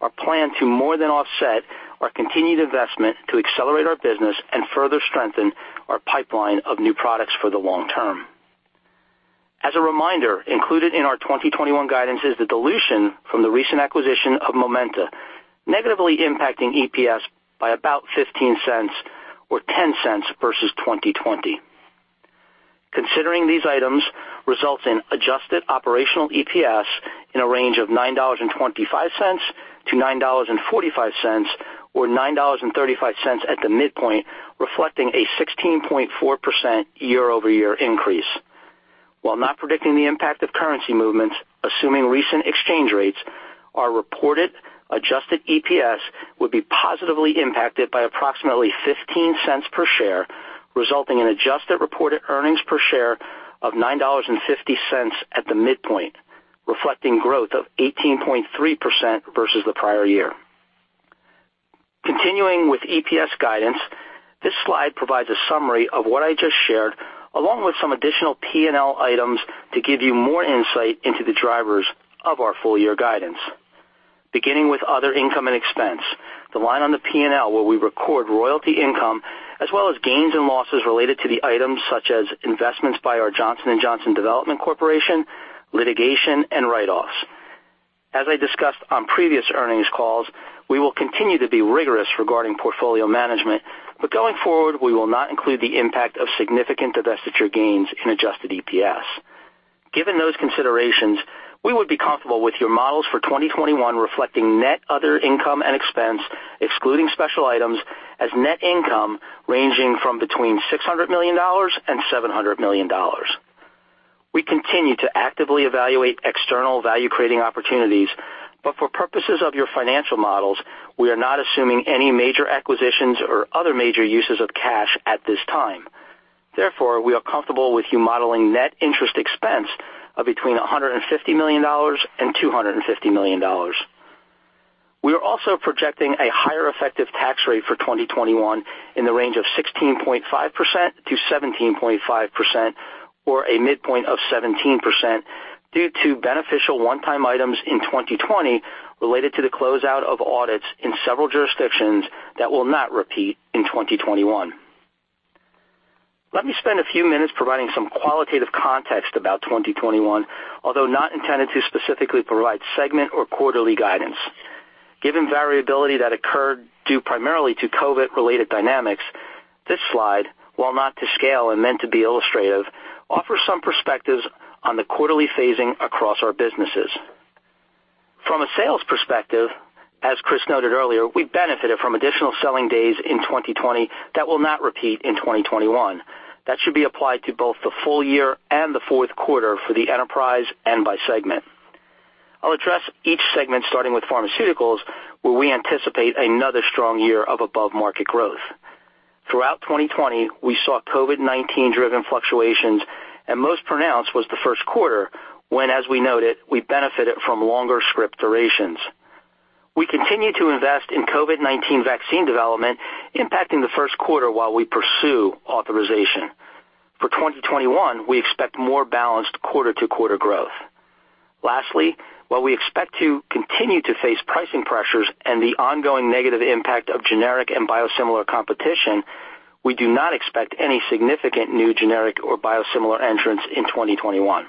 are planned to more than offset our continued investment to accelerate our business and further strengthen our pipeline of new products for the long term. As a reminder, included in our 2021 guidance is the dilution from the recent acquisition of Momenta Pharmaceuticals, negatively impacting EPS by about $0.15 or $0.10 versus 2020. Considering these items results in adjusted operational EPS in a range of $9.25 to $9.45 or $9.35 at the midpoint, reflecting a 16.4% year-over-year increase. While not predicting the impact of currency movements, assuming recent exchange rates, our reported adjusted EPS would be positively impacted by approximately $0.15 per share, resulting in adjusted reported earnings per share of $9.50 at the midpoint, reflecting growth of 18.3% versus the prior year. Continuing with EPS guidance, this slide provides a summary of what I just shared, along with some additional P&L items to give you more insight into the drivers of our full year guidance. Beginning with other income and expense, the line on the P&L where we record royalty income as well as gains and losses related to the items such as investments by our Johnson & Johnson Development Corporation, litigation and write-offs. As I discussed on previous earnings calls, we will continue to be rigorous regarding portfolio management. Going forward, we will not include the impact of significant divestiture gains in adjusted EPS. Given those considerations, we would be comfortable with your models for 2021 reflecting net other income and expense, excluding special items, as net income ranging from between $600 million and $700 million. We continue to actively evaluate external value-creating opportunities. For purposes of your financial models, we are not assuming any major acquisitions or other major uses of cash at this time. We are comfortable with you modeling net interest expense of between $150 million and $250 million. We are also projecting a higher effective tax rate for 2021 in the range of 16.5%-17.5%, or a midpoint of 17% due to beneficial one-time items in 2020 related to the closeout of audits in several jurisdictions that will not repeat in 2021. Let me spend a few minutes providing some qualitative context about 2021, although not intended to specifically provide segment or quarterly guidance. Given variability that occurred due primarily to COVID-related dynamics, this slide, while not to scale and meant to be illustrative, offers some perspectives on the quarterly phasing across our businesses. From a sales perspective, as Chris noted earlier, we benefited from additional selling days in 2020 that will not repeat in 2021. That should be applied to both the full year and the fourth quarter for the enterprise and by segment. I'll address each segment starting with pharmaceuticals, where we anticipate another strong year of above-market growth. Throughout 2020, we saw COVID-19 driven fluctuations, and most pronounced was the first quarter, when, as we noted, we benefited from longer script durations. We continue to invest in COVID-19 vaccine development, impacting the first quarter while we pursue authorization. For 2021, we expect more balanced quarter-to-quarter growth. Lastly, while we expect to continue to face pricing pressures and the ongoing negative impact of generic and biosimilar competition, we do not expect any significant new generic or biosimilar entrants in 2021.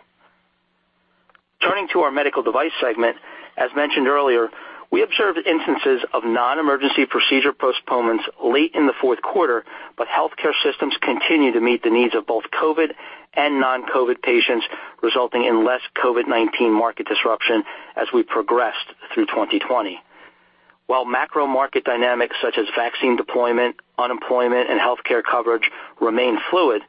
Turning to our medical device segment, as mentioned earlier, we observed instances of non-emergency procedure postponements late in the fourth quarter, but healthcare systems continue to meet the needs of both COVID and non-COVID patients, resulting in less COVID-19 market disruption as we progressed through 2020. While macro market dynamics such as vaccine deployment, unemployment, and healthcare coverage remain fluid,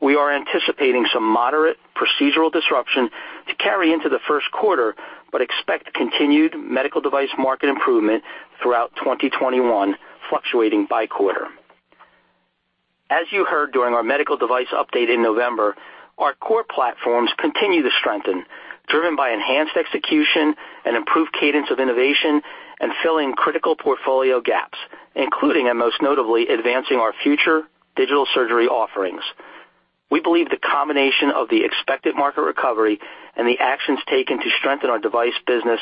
we are anticipating some moderate procedural disruption to carry into the first quarter but expect continued medical device market improvement throughout 2021, fluctuating by quarter. As you heard during our medical device update in November, our core platforms continue to strengthen, driven by enhanced execution and improved cadence of innovation and filling critical portfolio gaps, including and most notably, advancing our future digital surgery offerings. We believe the combination of the expected market recovery and the actions taken to strengthen our device business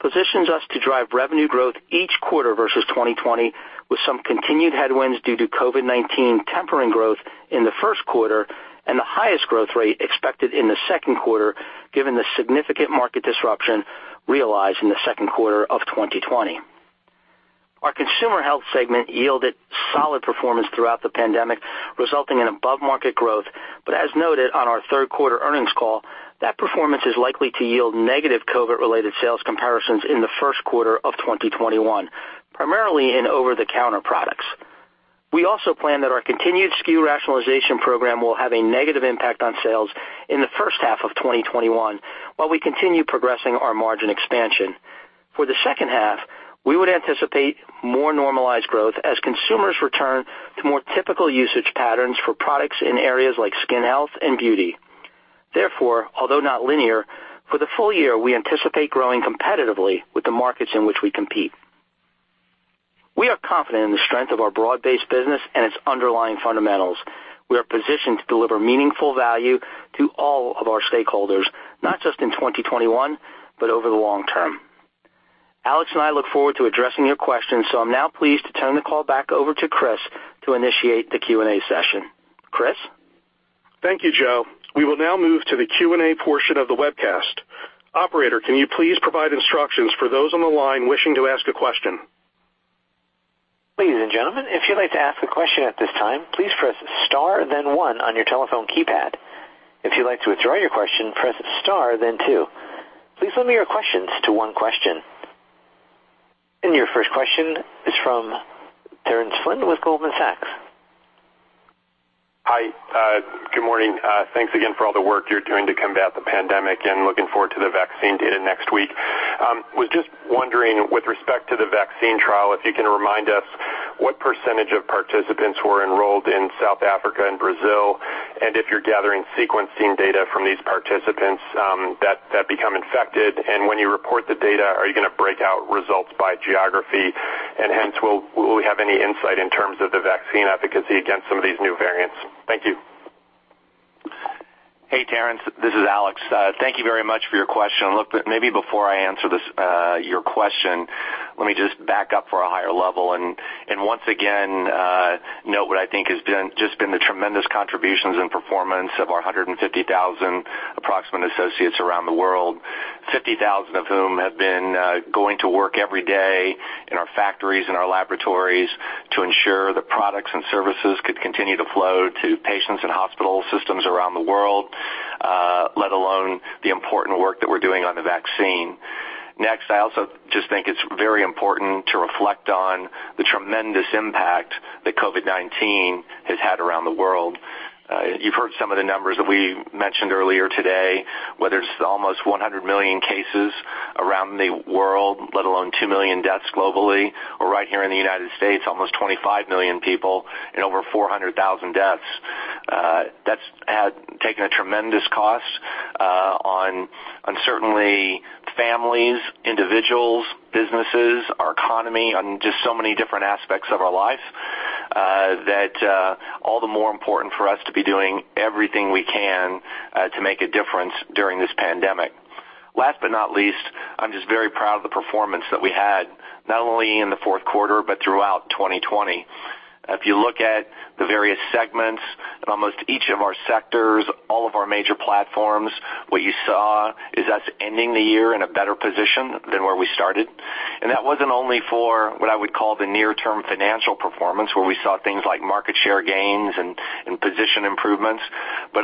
positions us to drive revenue growth each quarter versus 2020, with some continued headwinds due to COVID-19 tempering growth in the first quarter and the highest growth rate expected in the second quarter, given the significant market disruption realized in the second quarter of 2020. Our consumer health segment yielded solid performance throughout the pandemic, resulting in above-market growth. As noted on our third-quarter earnings call, that performance is likely to yield negative COVID-related sales comparisons in the first quarter of 2021, primarily in over-the-counter products. We also plan that our continued SKU rationalization program will have a negative impact on sales in the first half of 2021, while we continue progressing our margin expansion. For the second half, we would anticipate more normalized growth as consumers return to more typical usage patterns for products in areas like skin health and beauty. Therefore, although not linear, for the full year, we anticipate growing competitively with the markets in which we compete. We are confident in the strength of our broad-based business and its underlying fundamentals. We are positioned to deliver meaningful value to all of our stakeholders, not just in 2021, but over the long term. Alex and I look forward to addressing your questions. I am now pleased to turn the call back over to Chris to initiate the Q&A session. Chris? Thank you, Joe. We will now move to the Q&A portion of the webcast. Operator, can you please provide instructions for those on the line wishing to ask a question? Ladies and gentlemen, if you'd like to ask a question at this time, please press star then one on your telephone keypad. If you'd like to withdraw your question, press star then two. Please limit your questions to one question. Your first question is from Terence Flynn with Goldman Sachs. Hi. Good morning. Thanks again for all the work you're doing to combat the pandemic, looking forward to the vaccine data next week. Was just wondering, with respect to the vaccine trial, if you can remind us what percentage of participants were enrolled in South Africa and Brazil, if you're gathering sequencing data from these participants that become infected. When you report the data, are you going to break out results by geography, hence, will we have any insight in terms of the vaccine efficacy against some of these new variants? Thank you. Hey, Terence. This is Alex. Thank you very much for your question. Maybe before I answer your question, let me just back up for a higher level, and once again, note what I think has just been the tremendous contributions and performance of our 150,000 approximate associates around the world, 50,000 of whom have been going to work every day in our factories and our laboratories to ensure that products and services could continue to flow to patients and hospital systems around the world, let alone the important work that we're doing on the vaccine. I also just think it's very important to reflect on the tremendous impact that COVID-19 has had around the world. You've heard some of the numbers that we mentioned earlier today, whether it's almost 100 million cases around the world, let alone two million deaths globally, or right here in the U.S., almost 25 million people and over 400,000 deaths. That's taken a tremendous cost on certainly families, individuals, businesses, our economy, on just so many different aspects of our lives, that all the more important for us to be doing everything we can to make a difference during this pandemic. I'm just very proud of the performance that we had, not only in the fourth quarter, but throughout 2020. If you look at the various segments, almost each of our sectors, all of our major platforms, what you saw is us ending the year in a better position than where we started. That wasn't only for what I would call the near-term financial performance, where we saw things like market share gains and position improvements.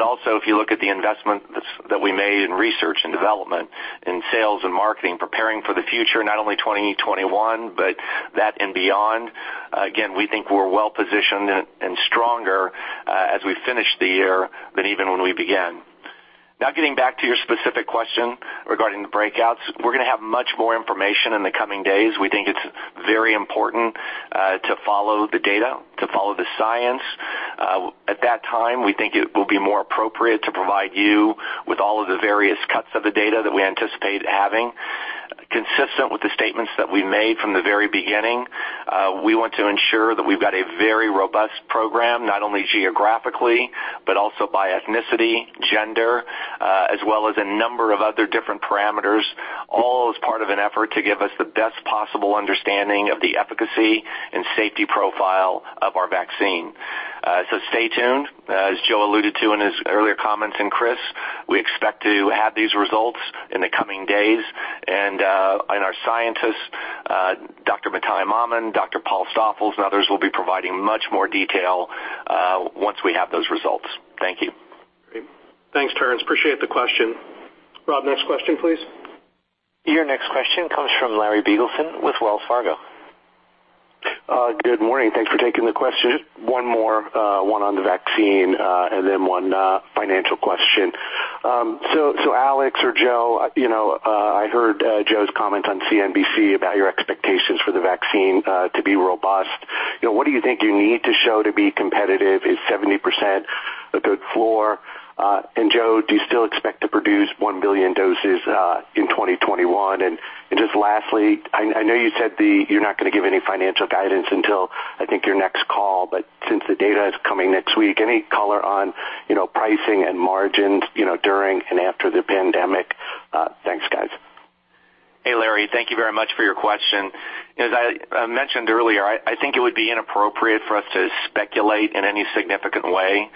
Also, if you look at the investments that we made in research and development, in sales and marketing, preparing for the future, not only 2021, but that and beyond. Again, we think we're well-positioned and stronger as we finish the year than even when we began. Now, getting back to your specific question regarding the breakouts, we're going to have much more information in the coming days. We think it's very important to follow the data, to follow the science. At that time, we think it will be more appropriate to provide you with all of the various cuts of the data that we anticipate having. Consistent with the statements that we made from the very beginning, we want to ensure that we've got a very robust program, not only geographically, but also by ethnicity, gender, as well as a number of other different parameters, all as part of an effort to give us the best possible understanding of the efficacy and safety profile of our vaccine. Stay tuned. As Joe alluded to in his earlier comments, and Chris, we expect to have these results in the coming days. Our scientists, Dr. Mathai Mammen, Dr. Paul Stoffels, and others, will be providing much more detail once we have those results. Thank you. Great. Thanks, Terence. Appreciate the question. Rob, next question, please. Your next question comes from Larry Biegelsen with Wells Fargo. Good morning. Thanks for taking the question. One more, one on the vaccine, and then one financial question. Alex or Joe, I heard Joe's comment on CNBC about your expectations for the vaccine to be robust. What do you think you need to show to be competitive? Is 70% a good floor? Joseph, do you still expect to produce one billion doses in 2021? Just lastly, I know you said you're not going to give any financial guidance until, I think, your next call, but since the data is coming next week, any color on pricing and margins during and after the pandemic? Thanks, guys. Hey, Larry. Thank you very much for your question. As I mentioned earlier, I think it would be inappropriate for us to speculate in any significant way,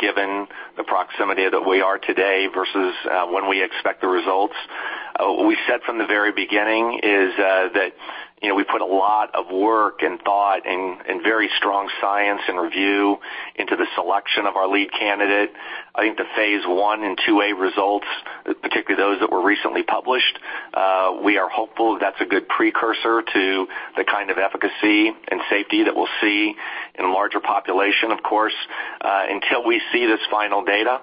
given the proximity that we are today versus when we expect the results. What we said from the very beginning is that we put a lot of work and thought and very strong science and review into the selection of our lead candidate. I think the phase I and IIa results, particularly those that were recently published, we are hopeful that's a good precursor to the kind of efficacy and safety that we'll see in a larger population, of course. Until we see this final data,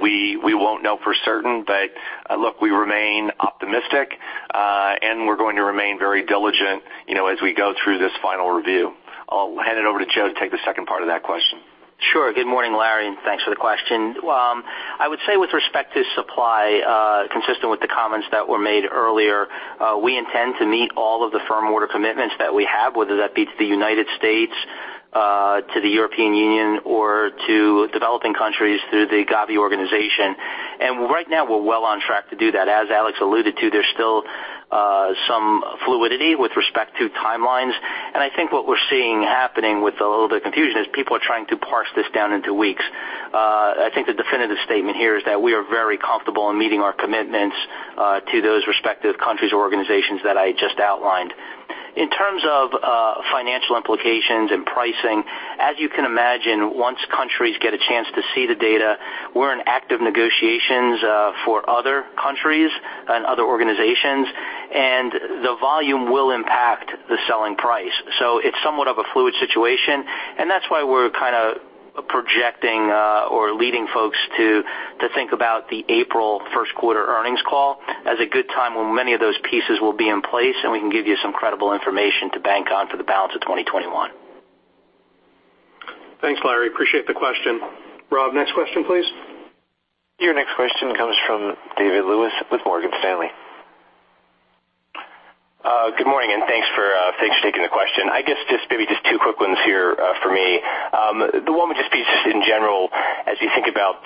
we won't know for certain. Look, we remain optimistic. We're going to remain very diligent as we go through this final review. I'll hand it over to Joseph to take the second part of that question. Sure. Good morning, Larry, thanks for the question. I would say with respect to supply, consistent with the comments that were made earlier, we intend to meet all of the firm order commitments that we have, whether that be to the United States, to the European Union, or to developing countries through the Gavi organization. Right now, we're well on track to do that. As Alex alluded to, there's still some fluidity with respect to timelines, and I think what we're seeing happening with a little bit of confusion is people are trying to parse this down into weeks. I think the definitive statement here is that we are very comfortable in meeting our commitments to those respective countries or organizations that I just outlined. In terms of financial implications and pricing, as you can imagine, once countries get a chance to see the data, we're in active negotiations for other countries and other organizations, the volume will impact the selling price. It's somewhat of a fluid situation, and that's why we're kind of projecting or leading folks to think about the April first quarter earnings call as a good time when many of those pieces will be in place, we can give you some credible information to bank on for the balance of 2021. Thanks, Larry. Appreciate the question. Rob, next question, please. Your next question comes from David Lewis with Morgan Stanley. Good morning. Thanks for taking the question. I guess just maybe just two quick ones here for me. The one would just be just in general as you think about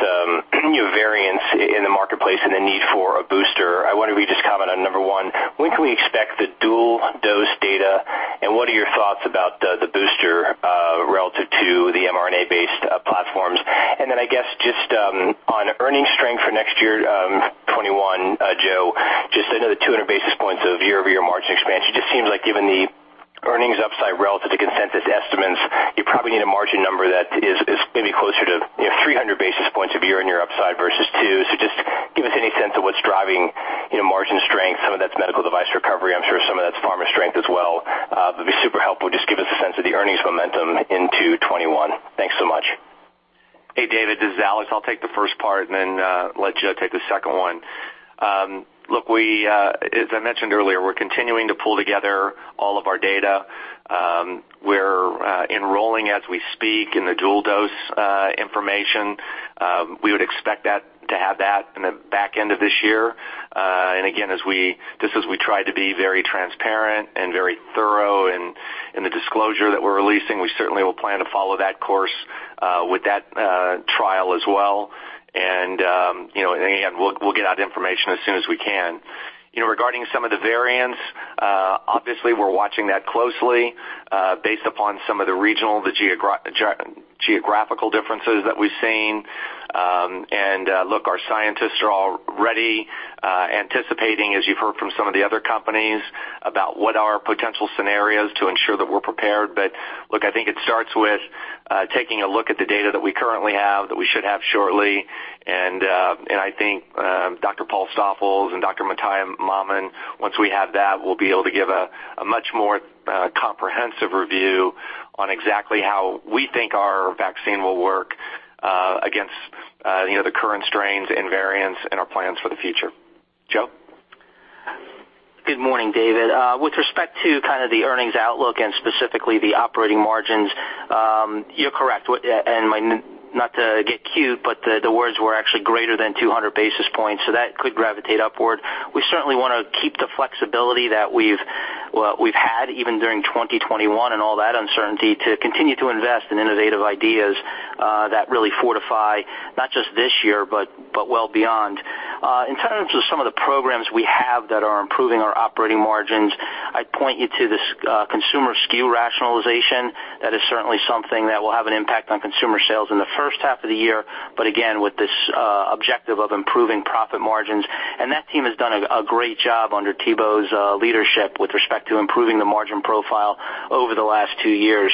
new variants in the marketplace and the need for a booster, I wonder if you could just comment on number one, when can we expect the dual dose data, and what are your thoughts about the booster relative to the mRNA-based platforms? I guess just on earnings strength for next year 2021, Joseph, I know the 200 basis points of year-over-year margin expansion, seems like given the earnings upside relative to consensus estimates, you probably need a margin number that is maybe closer to 300 basis points of year-on-year upside versus two. Just give us any sense of what's driving margin strength. Some of that's medical device recovery. I'm sure some of that's pharma strength as well. It'd be super helpful, just give us a sense of the earnings momentum into 2021. Thanks so much. Hey, David, this is Alex. I'll take the first part and then let Joe take the second one. Look, as I mentioned earlier, we're continuing to pull together all of our data. We're enrolling as we speak in the dual dose information. We would expect to have that in the back end of this year. Again, just as we try to be very transparent and very thorough in the disclosure that we're releasing, we certainly will plan to follow that course with that trial as well. Again, we'll get out information as soon as we can. Regarding some of the variants, obviously we're watching that closely based upon some of the regional, the geographical differences that we've seen. Look, our scientists are already anticipating, as you've heard from some of the other companies, about what are potential scenarios to ensure that we're prepared. Look, I think it starts with taking a look at the data that we currently have, that we should have shortly. I think Dr. Paul Stoffels and Dr. Mathai Mammen, once we have that, will be able to give a much more comprehensive review on exactly how we think our vaccine will work against the current strains and variants and our plans for the future. Joseph? Good morning, David. With respect to kind of the earnings outlook and specifically the operating margins, you're correct. Not to get cute, but the words were actually greater than 200 basis points, that could gravitate upward. We certainly want to keep the flexibility that we've had even during 2021 and all that uncertainty to continue to invest in innovative ideas that really fortify not just this year, but well beyond. In terms of some of the programs we have that are improving our operating margins, I'd point you to the consumer SKU rationalization. That is certainly something that will have an impact on consumer sales in the first half of the year, but again, with this objective of improving profit margins. That team has done a great job under Thibaut's leadership with respect to improving the margin profile over the last two years.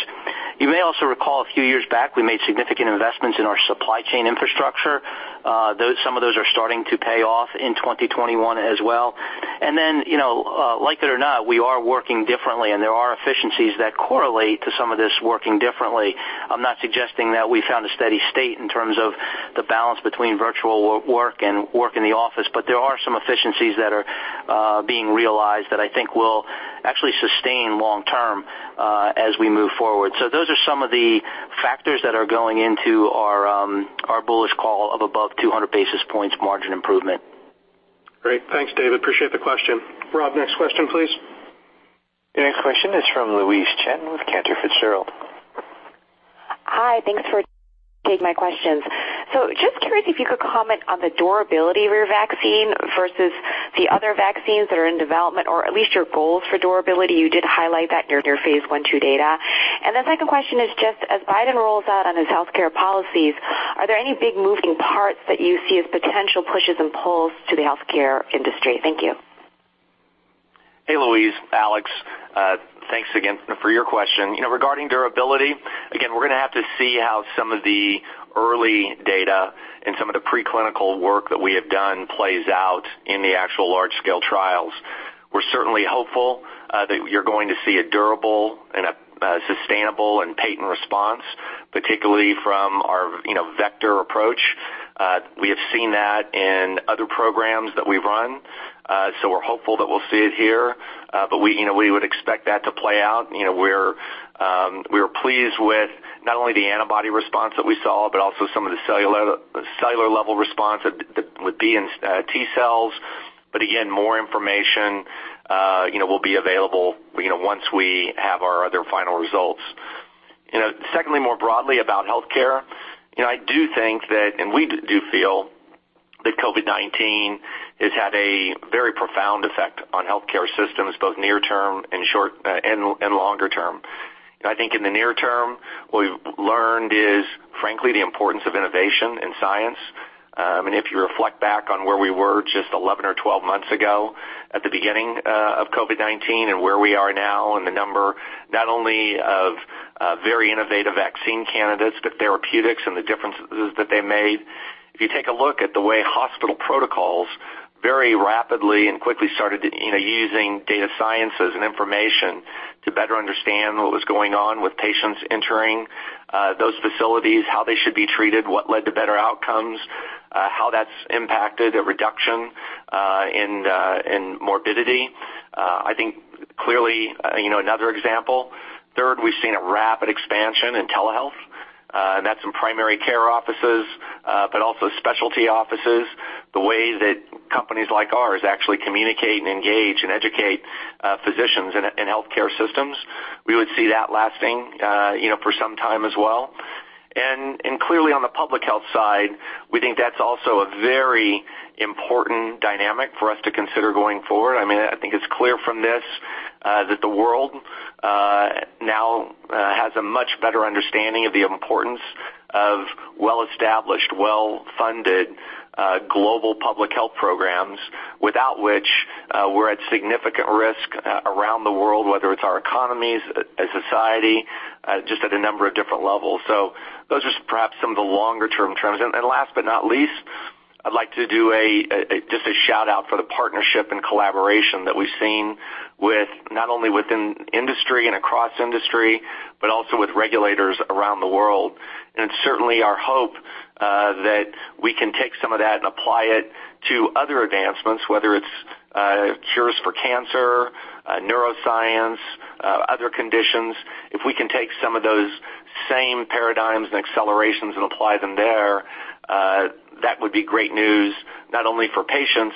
You may also recall a few years back, we made significant investments in our supply chain infrastructure. Some of those are starting to pay off in 2021 as well. Like it or not, we are working differently, and there are efficiencies that correlate to some of this working differently. I'm not suggesting that we found a steady state in terms of the balance between virtual work and work in the office, but there are some efficiencies that are being realized that I think will actually sustain long term as we move forward. Those are some of the factors that are going into our bullish call of above 200 basis points margin improvement. Great. Thanks, David. Appreciate the question. Rob, next question, please. The next question is from Louise Chen with Cantor Fitzgerald. Hi, thanks for taking my questions. Just curious if you could comment on the durability of your vaccine versus the other vaccines that are in development, or at least your goals for durability. You did highlight that during your phase I, II data. The second question is just as Biden rolls out on his healthcare policies, are there any big moving parts that you see as potential pushes and pulls to the healthcare industry? Thank you. Hey, Louise. Alex. Thanks again for your question. Regarding durability, again, we're going to have to see how some of the early data and some of the pre-clinical work that we have done plays out in the actual large-scale trials. We're certainly hopeful that you're going to see a durable and a sustainable and potent response. Particularly from our vector approach. We have seen that in other programs that we've run, so we're hopeful that we'll see it here. We would expect that to play out. We're pleased with not only the antibody response that we saw, but also some of the cellular-level response that would be in T-cells. Again, more information will be available once we have our other final results. Secondly, more broadly about healthcare, I do think that, we do feel that COVID-19 has had a very profound effect on healthcare systems, both near term and longer term. I think in the near term, what we've learned is, frankly, the importance of innovation in science. If you reflect back on where we were just 11 or 12 months ago at the beginning of COVID-19 and where we are now and the number, not only of very innovative vaccine candidates, but therapeutics and the differences that they made. If you take a look at the way hospital protocols very rapidly and quickly started using data sciences and information to better understand what was going on with patients entering those facilities, how they should be treated, what led to better outcomes, how that's impacted a reduction in morbidity. I think clearly another example. Third, we've seen a rapid expansion in telehealth, and that's in primary care offices, but also specialty offices. The way that companies like ours actually communicate and engage and educate physicians in healthcare systems, we would see that lasting for some time as well. Clearly on the public health side, we think that's also a very important dynamic for us to consider going forward. I think it's clear from this that the world now has a much better understanding of the importance of well-established, well-funded global public health programs, without which we're at significant risk around the world, whether it's our economies, as society, just at a number of different levels. Those are perhaps some of the longer-term trends. Last but not least, I'd like to do just a shout-out for the partnership and collaboration that we've seen not only within industry and across industry, but also with regulators around the world. It's certainly our hope that we can take some of that and apply it to other advancements, whether it's cures for cancer, neuroscience, other conditions. If we can take some of those same paradigms and accelerations and apply them there, that would be great news, not only for patients,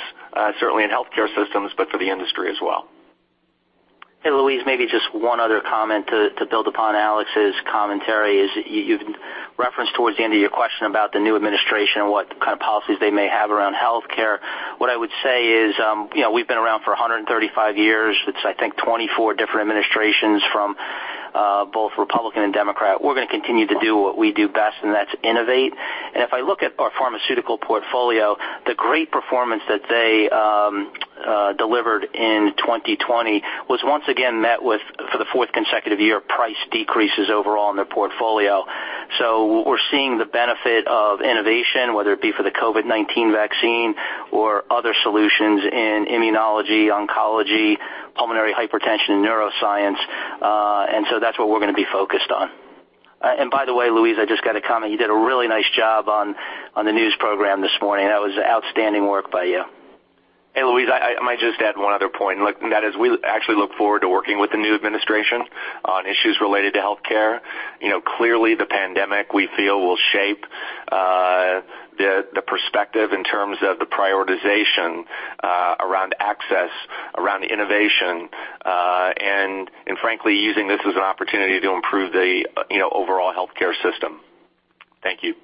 certainly in healthcare systems, but for the industry as well. Hey, Louise, maybe just one other comment to build upon Alex's commentary is you've referenced towards the end of your question about the new administration and what kind of policies they may have around healthcare. What I would say is we've been around for 135 years. It's, I think, 24 different administrations from both Republican and Democrat. We're going to continue to do what we do best, and that's innovate. If I look at our pharmaceutical portfolio, the great performance that they delivered in 2020 was once again met with, for the fourth consecutive year, price decreases overall in their portfolio. We're seeing the benefit of innovation, whether it be for the COVID-19 vaccine or other solutions in immunology, oncology, pulmonary hypertension, and neuroscience. That's what we're going to be focused on. By the way, Louise, I just got a comment. You did a really nice job on the news program this morning. That was outstanding work by you. Hey, Louise, I might just add one other point, and that is we actually look forward to working with the new administration on issues related to healthcare. Clearly, the pandemic, we feel, will shape the perspective in terms of the prioritization around access, around innovation, and frankly, using this as an opportunity to improve the overall healthcare system. Thank you.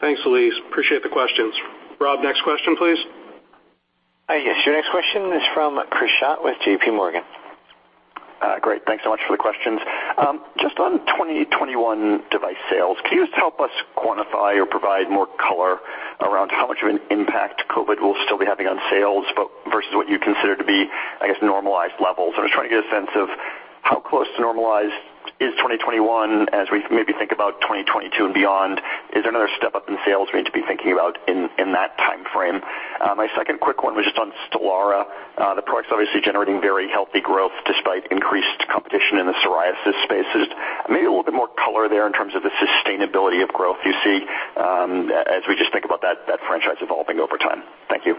Thanks, Louise. Appreciate the questions. Rob, next question, please. Yes, your next question is from Chris Schott with JPMorgan. Great. Thanks so much for the questions. Just on 2021 device sales, can you just help us quantify or provide more color around how much of an impact COVID will still be having on sales versus what you consider to be, I guess, normalized levels? I'm just trying to get a sense of how close to normalized is 2021 as we maybe think about 2022 and beyond. Is there another step up in sales we need to be thinking about in that timeframe? My second quick one was just on STELARA. The product's obviously generating very healthy growth despite increased competition in the psoriasis space. Just maybe a little bit more color there in terms of the sustainability of growth you see as we just think about that franchise evolving over time. Thank you.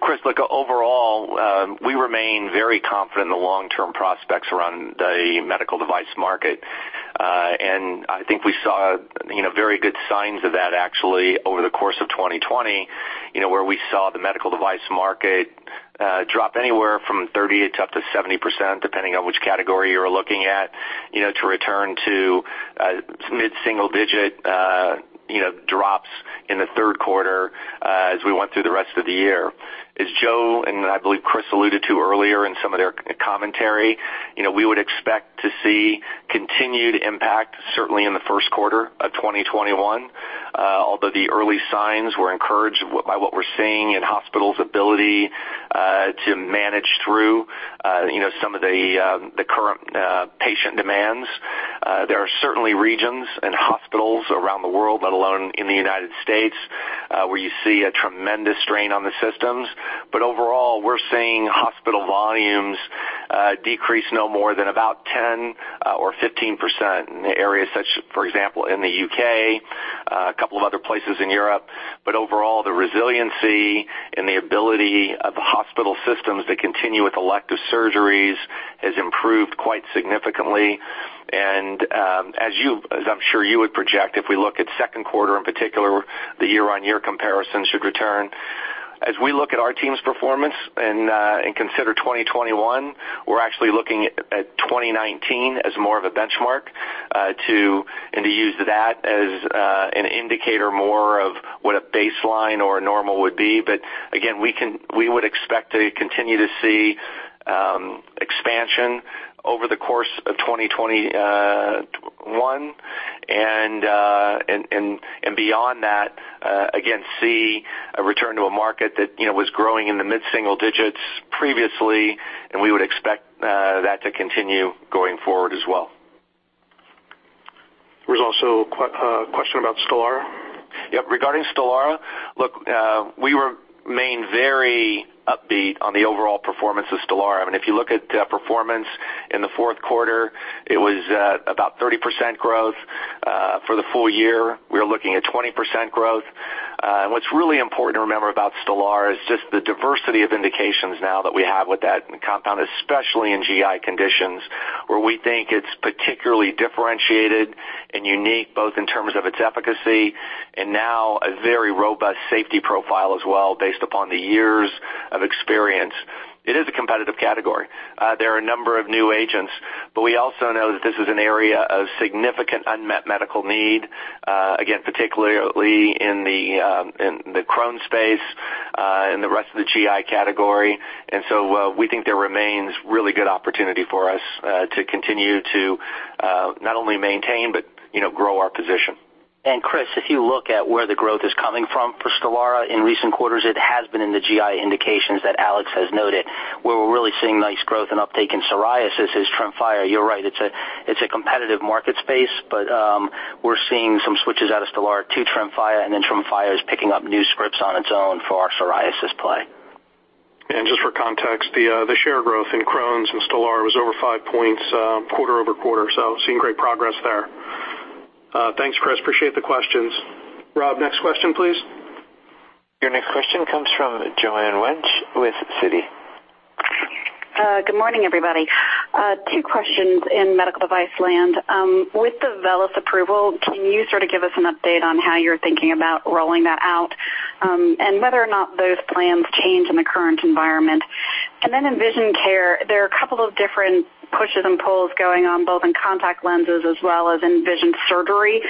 Chris, look, overall, we remain very confident in the long-term prospects around the medical device market. I think we saw very good signs of that actually over the course of 2020, where we saw the medical device market drop anywhere from 30% up to 70%, depending on which category you're looking at, to return to mid-single digit drops in the third quarter as we went through the rest of the year. As Joseph, and I believe Chris alluded to earlier in some of their commentary, we would expect to see continued impact certainly in the first quarter of 2021. Although the early signs were encouraged by what we're seeing in hospitals' ability to manage through some of the current patient demands. There are certainly regions and hospitals around the world, let alone in the U.S., where you see a tremendous strain on the systems. Overall, we're seeing hospital volumes decrease no more than about 10% or 15% in areas such, for example, in the U.K., a couple of other places in Europe. Overall, the resiliency and the ability of the hospital systems to continue with elective surgeries has improved quite significantly. As I'm sure you would project, if we look at the second quarter in particular, the year-on-year comparison should return. As we look at our team's performance and consider 2021, we're actually looking at 2019 as more of a benchmark and to use that as an indicator more of what a baseline or a normal would be. Again, we would expect to continue to see expansion over the course of 2021. Beyond that, again, see a return to a market that was growing in the mid-single digits previously, and we would expect that to continue going forward as well. There was also a question about STELARA. Yep. Regarding STELARA, look, we remain very upbeat on the overall performance of STELARA. I mean, if you look at performance in the fourth quarter, it was about 30% growth. For the full year, we are looking at 20% growth. What's really important to remember about STELARA is just the diversity of indications now that we have with that compound, especially in GI conditions, where we think it's particularly differentiated and unique, both in terms of its efficacy and now a very robust safety profile as well based upon the years of experience. It is a competitive category. There are a number of new agents, but we also know that this is an area of significant unmet medical need, again, particularly in the Crohn's space and the rest of the GI category. We think there remains really good opportunity for us to continue to not only maintain but grow our position. Chris, if you look at where the growth is coming from for STELARA in recent quarters, it has been in the GI indications that Alex has noted, where we're really seeing nice growth and uptake in psoriasis is TREMFYA. You're right, it's a competitive market space, but we're seeing some switches out of STELARA to TREMFYA, and then TREMFYA is picking up new scripts on its own for our psoriasis play. Just for context, the share growth in Crohn's and STELARA was over five points quarter-over-quarter, so seeing great progress there. Thanks, Chris. Appreciate the questions. Rob, next question, please. Your next question comes from Joanne Wuensch with Citi. Good morning, everybody. Two questions in medical device land. With the VELYS Robotic-Assisted Solution approval, can you sort of give us an update on how you're thinking about rolling that out and whether or not those plans change in the current environment? In vision care, there are a couple of different pushes and pulls going on, both in contact lenses as well as in vision surgery.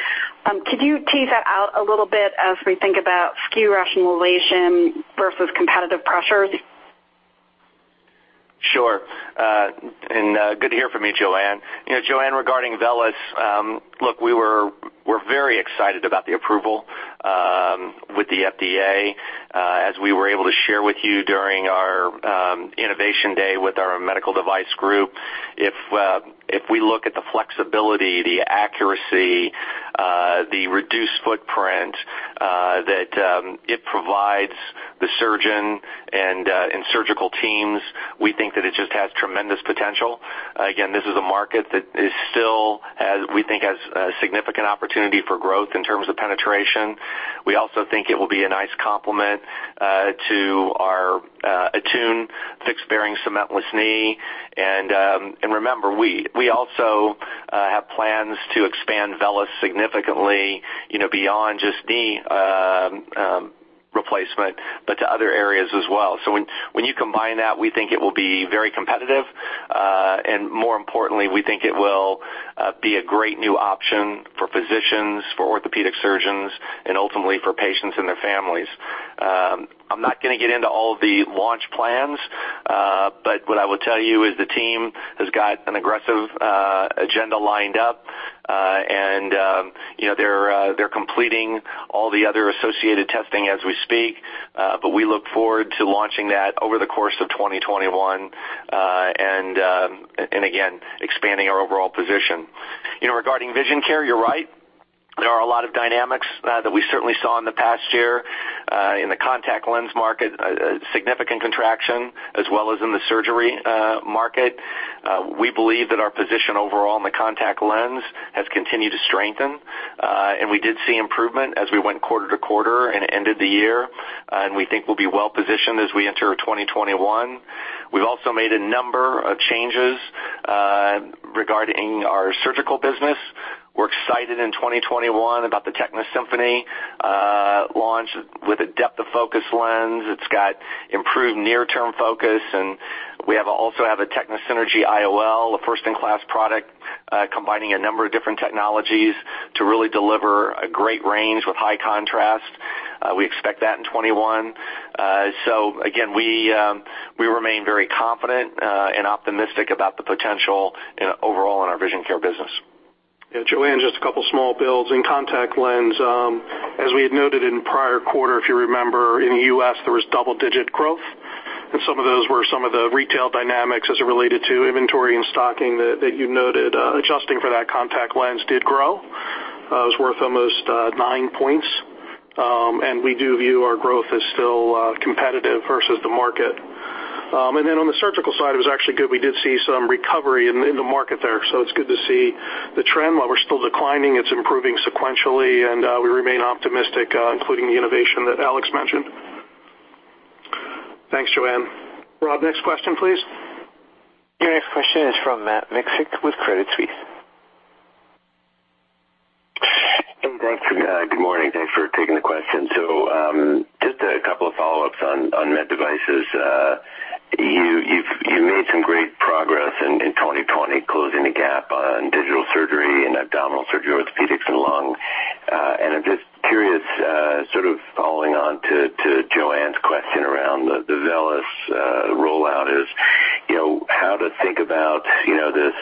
Could you tease that out a little bit as we think about SKU rationalization versus competitive pressures? Sure. Good to hear from you, Joanne. Joanne, regarding VELYS Robotic-Assisted Solution, look, we're very excited about the approval with the FDA, as we were able to share with you during our innovation day with our medical device group. If we look at the flexibility, the accuracy, the reduced footprint that it provides the surgeon and surgical teams, we think that it just has tremendous potential. Again, this is a market that still has, we think, a significant opportunity for growth in terms of penetration. We also think it will be a nice complement to our ATTUNE Cementless Fixed Bearing Knee. Remember, we also have plans to expand VELYS Robotic-Assisted Solution significantly beyond just knee replacement, but to other areas as well. When you combine that, we think it will be very competitive. More importantly, we think it will be a great new option for physicians, for orthopedic surgeons, and ultimately for patients and their families. I'm not going to get into all of the launch plans. What I will tell you is the team has got an aggressive agenda lined up. They're completing all the other associated testing as we speak. We look forward to launching that over the course of 2021, and again, expanding our overall position. Regarding vision care, you're right. There are a lot of dynamics that we certainly saw in the past year in the contact lens market, a significant contraction, as well as in the surgery market. We believe that our position overall in the contact lens has continued to strengthen. We did see improvement as we went quarter to quarter and ended the year, and we think we'll be well-positioned as we enter 2021. We've also made a number of changes regarding our surgical business. We're excited in 2021 about the TECNIS Symfony launch with a depth of focus lens. It's got improved near-term focus, and we also have a TECNIS Synergy IOL, a first-in-class product combining a number of different technologies to really deliver a great range with high contrast. We expect that in 2021. Again, we remain very confident and optimistic about the potential overall in our vision care business. Yeah, Joanne, just a couple of small builds. In contact lens, as we had noted in the prior quarter, if you remember, U.S., there was double-digit growth. Some of those were some of the retail dynamics as it related to inventory and stocking that you noted. Adjusting for that contact lens did grow. It was worth almost nine points. We do view our growth as still competitive versus the market. Then on the surgical side, it was actually good. We did see some recovery in the market there, so it's good to see the trend. While we're still declining, it's improving sequentially, and we remain optimistic including the innovation that Alex mentioned. Thanks, Joanne. Rob, next question, please. Your next question is from Matt Miksic with Credit Suisse. Hey, thanks. Good morning. Thanks for taking the question. Just a couple of follow-ups on Med Devices. You made some great progress in 2020 closing the gap on digital surgery and abdominal surgery, orthopedics and lung. I'm just curious, sort of following on to Joanne's question around the VELYS Robotic-Assisted Solution rollout is, how to think about this.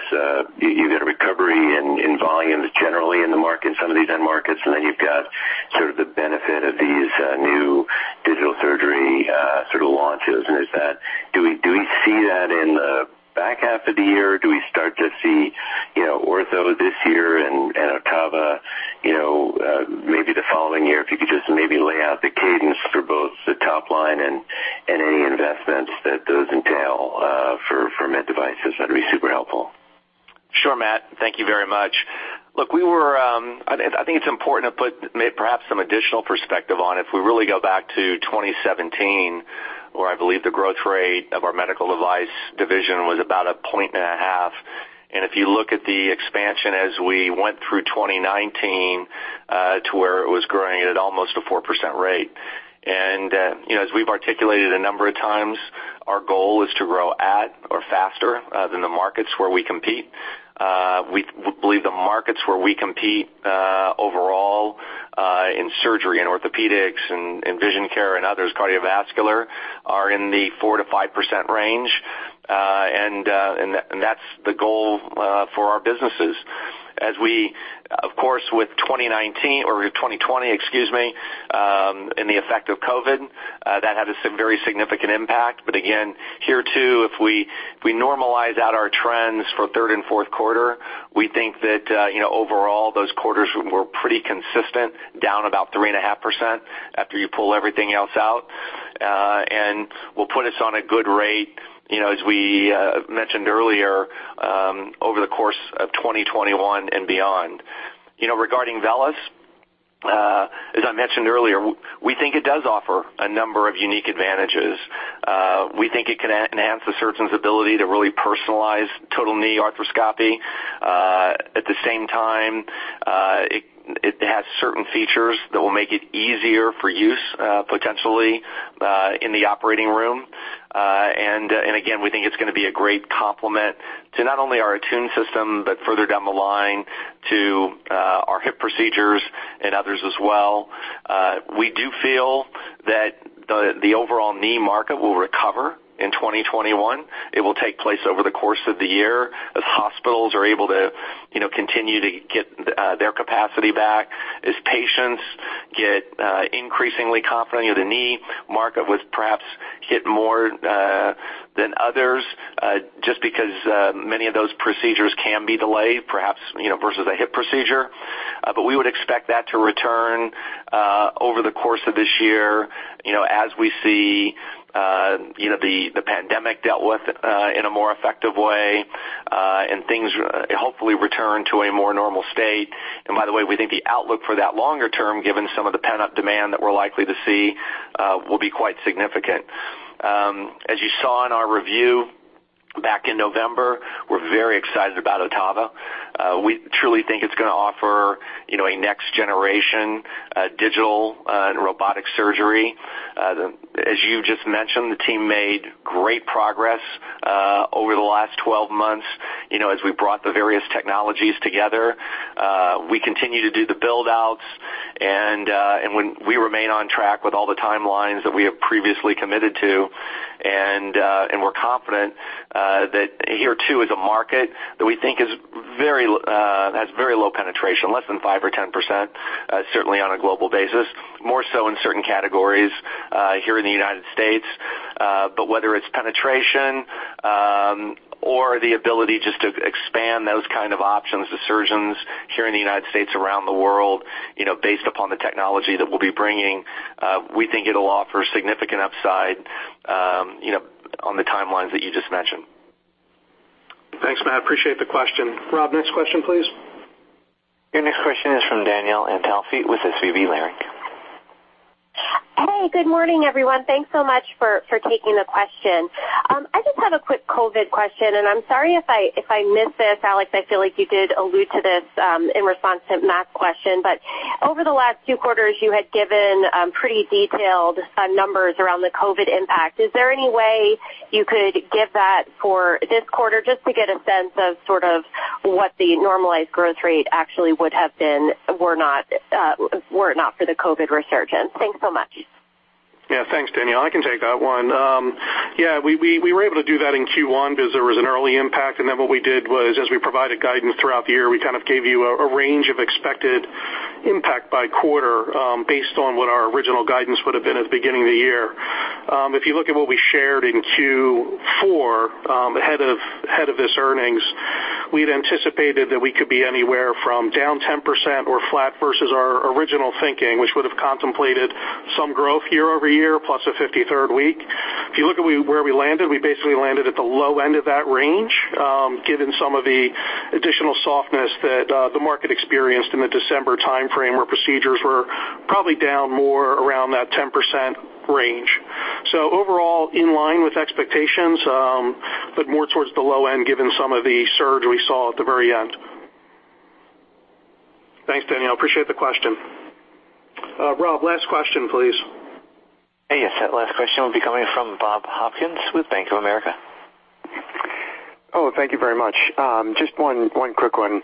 You get a recovery in volumes generally in the market, some of these end markets, and then you've got sort of the benefit of these new digital surgery sort of launches. Do we see that in the back half of the year, or do we start to see ortho this year and OTTAVA Robotic Surgical Solution maybe the following year? If you could just maybe lay out the cadence for both the top line and any investments that those entail for Med Devices, that'd be super helpful. Sure, Matt. Thank you very much. Look, I think it's important to put perhaps some additional perspective on it. If we really go back to 2017, where I believe the growth rate of our medical device division was about a point and a half. If you look at the expansion as we went through 2019 to where it was growing at almost a 4% rate. As we've articulated a number of times, our goal is to grow at or faster than the markets where we compete. We believe the markets where we compete overall in surgery and orthopedics and vision care and others, cardiovascular, are in the 4%-5% range. That's the goal for our businesses. Of course, with 2019 or 2020, excuse me, and the effect of COVID, that had a very significant impact. Again, here too, if we normalize out our trends for third and fourth quarter, we think that overall those quarters were pretty consistent, down about 3.5% after you pull everything else out, and will put us on a good rate, as we mentioned earlier, over the course of 2021 and beyond. Regarding VELYS Robotic-Assisted Solution, as I mentioned earlier, we think it does offer a number of unique advantages. We think it can enhance the surgeon's ability to really personalize total knee arthroplasty. At the same time, it has certain features that will make it easier for use, potentially, in the operating room. Again, we think it's going to be a great complement to not only our ATTUNE Knee System, but further down the line to our hip procedures and others as well. We do feel that the overall knee market will recover in 2021. It will take place over the course of the year as hospitals are able to continue to get their capacity back, as patients get increasingly confident. The knee market was perhaps hit more than others just because many of those procedures can be delayed, perhaps versus a hip procedure. We would expect that to return over the course of this year as we see the pandemic dealt with in a more effective way and things hopefully return to a more normal state. By the way, we think the outlook for that longer term, given some of the pent-up demand that we're likely to see, will be quite significant. As you saw in our review back in November, we're very excited about OTTAVA Robotic Surgical Solution. We truly think it's going to offer a next-generation digital and robotic surgery. As you just mentioned, the team made great progress over the last 12 months as we brought the various technologies together. We continue to do the build-outs, and we remain on track with all the timelines that we have previously committed to. We are confident that here, too, is a market that we think has very low penetration, less than 5% or 10%, certainly on a global basis, more so in certain categories here in the United States. But whether it is penetration or the ability just to expand those kind of options to surgeons here in the United States, around the world, based upon the technology that we will be bringing, we think it will offer significant upside on the timelines that you just mentioned. Thanks, Matt. Appreciate the question. Rob, next question, please. Your next question is from Danielle Antalffy with SVB Leerink. Hey, good morning, everyone. Thanks so much for taking the question. I just have a quick COVID question. I'm sorry if I missed this, Alex. I feel like you did allude to this in response to Matt's question. Over the last two quarters, you had given pretty detailed numbers around the COVID impact. Is there any way you could give that for this quarter just to get a sense of sort of what the normalized growth rate actually would have been were it not for the COVID resurgence? Thanks so much. Yeah, thanks, Danielle. I can take that one. Yeah, we were able to do that in Q1 because there was an early impact, and then what we did was, as we provided guidance throughout the year, we kind of gave you a range of expected impact by quarter, based on what our original guidance would've been at the beginning of the year. If you look at what we shared in Q4, ahead of this earnings, we had anticipated that we could be anywhere from down 10% or flat versus our original thinking, which would've contemplated some growth year-over-year plus a 53rd week. If you look at where we landed, we basically landed at the low end of that range, given some of the additional softness that the market experienced in the December timeframe, where procedures were probably down more around that 10% range. Overall, in line with expectations, but more towards the low end given some of the surge we saw at the very end. Thanks, Danielle, appreciate the question. Rob, last question, please. Hey, yes. That last question will be coming from Bob Hopkins with Bank of America. Oh, thank you very much. Just one quick one.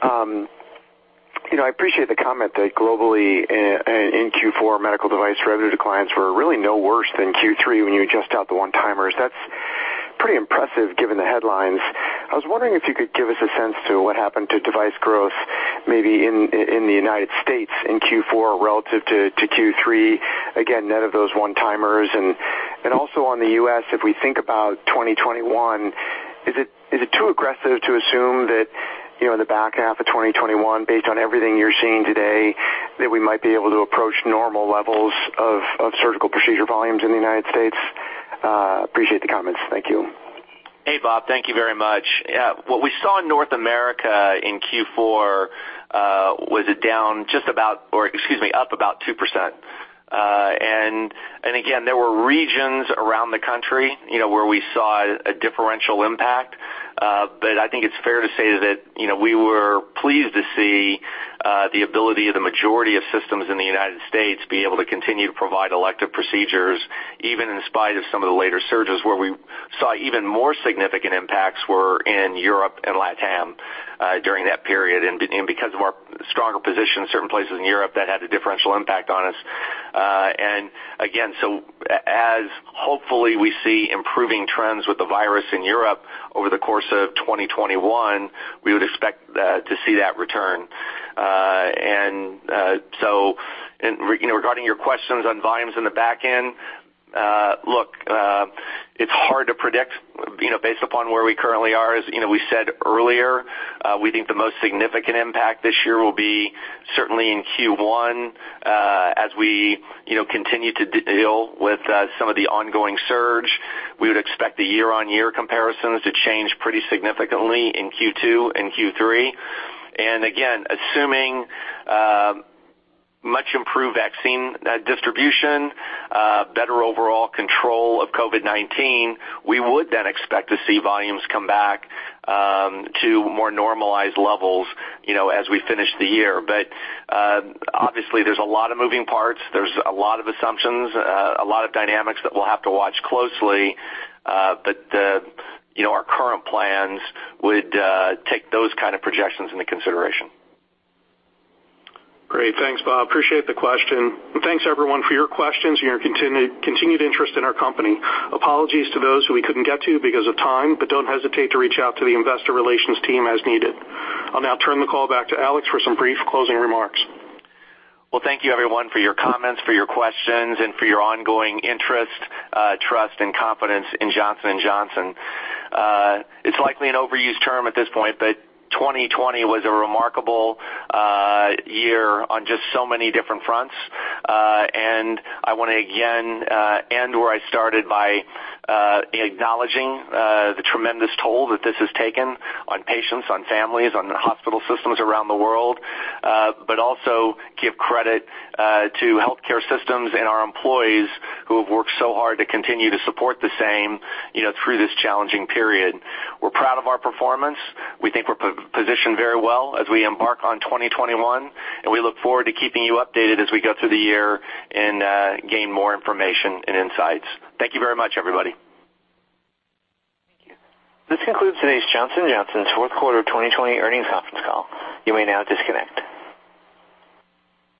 I appreciate the comment that globally in Q4, medical device revenue declines were really no worse than Q3 when you adjust out the one-timers. That's pretty impressive given the headlines. I was wondering if you could give us a sense to what happened to device growth, maybe in the U.S. in Q4 relative to Q3, again, net of those one-timers. Also on the U.S., if we think about 2021, is it too aggressive to assume that in the back half of 2021, based on everything you're seeing today, that we might be able to approach normal levels of surgical procedure volumes in the U.S.? Appreciate the comments. Thank you. Hey, Bob. Thank you very much. What we saw in North America in Q4 was up about 2%. Again, there were regions around the country where we saw a differential impact. I think it's fair to say that we were pleased to see the ability of the majority of systems in the United States be able to continue to provide elective procedures, even in spite of some of the later surges. Where we saw even more significant impacts were in Europe and LATAM during that period. Because of our stronger position in certain places in Europe, that had a differential impact on us. Again, as hopefully we see improving trends with the virus in Europe over the course of 2021, we would expect to see that return. Regarding your questions on volumes in the back end, look, it's hard to predict based upon where we currently are. As we said earlier, we think the most significant impact this year will be certainly in Q1 as we continue to deal with some of the ongoing surge. We would expect the year-over-year comparisons to change pretty significantly in Q2 and Q3. Again, assuming much improved vaccine distribution, better overall control of COVID-19, we would then expect to see volumes come back to more normalized levels as we finish the year. Obviously, there's a lot of moving parts. There's a lot of assumptions, a lot of dynamics that we'll have to watch closely. Our current plans would take those kind of projections into consideration. Great. Thanks, Bob. Appreciate the question. Thanks, everyone, for your questions and your continued interest in our company. Apologies to those who we couldn't get to because of time, but don't hesitate to reach out to the investor relations team as needed. I'll now turn the call back to Alex for some brief closing remarks. Well, thank you, everyone, for your comments, for your questions, and for your ongoing interest, trust, and confidence in Johnson & Johnson. It's likely an overused term at this point, but 2020 was a remarkable year on just so many different fronts. I want to again end where I started by acknowledging the tremendous toll that this has taken on patients, on families, on hospital systems around the world, but also give credit to healthcare systems and our employees who have worked so hard to continue to support the same through this challenging period. We're proud of our performance. We think we're positioned very well as we embark on 2021, and we look forward to keeping you updated as we go through the year and gain more information and insights. Thank you very much, everybody. Thank you. This concludes today's Johnson & Johnson fourth quarter 2020 earnings conference call. You may now disconnect.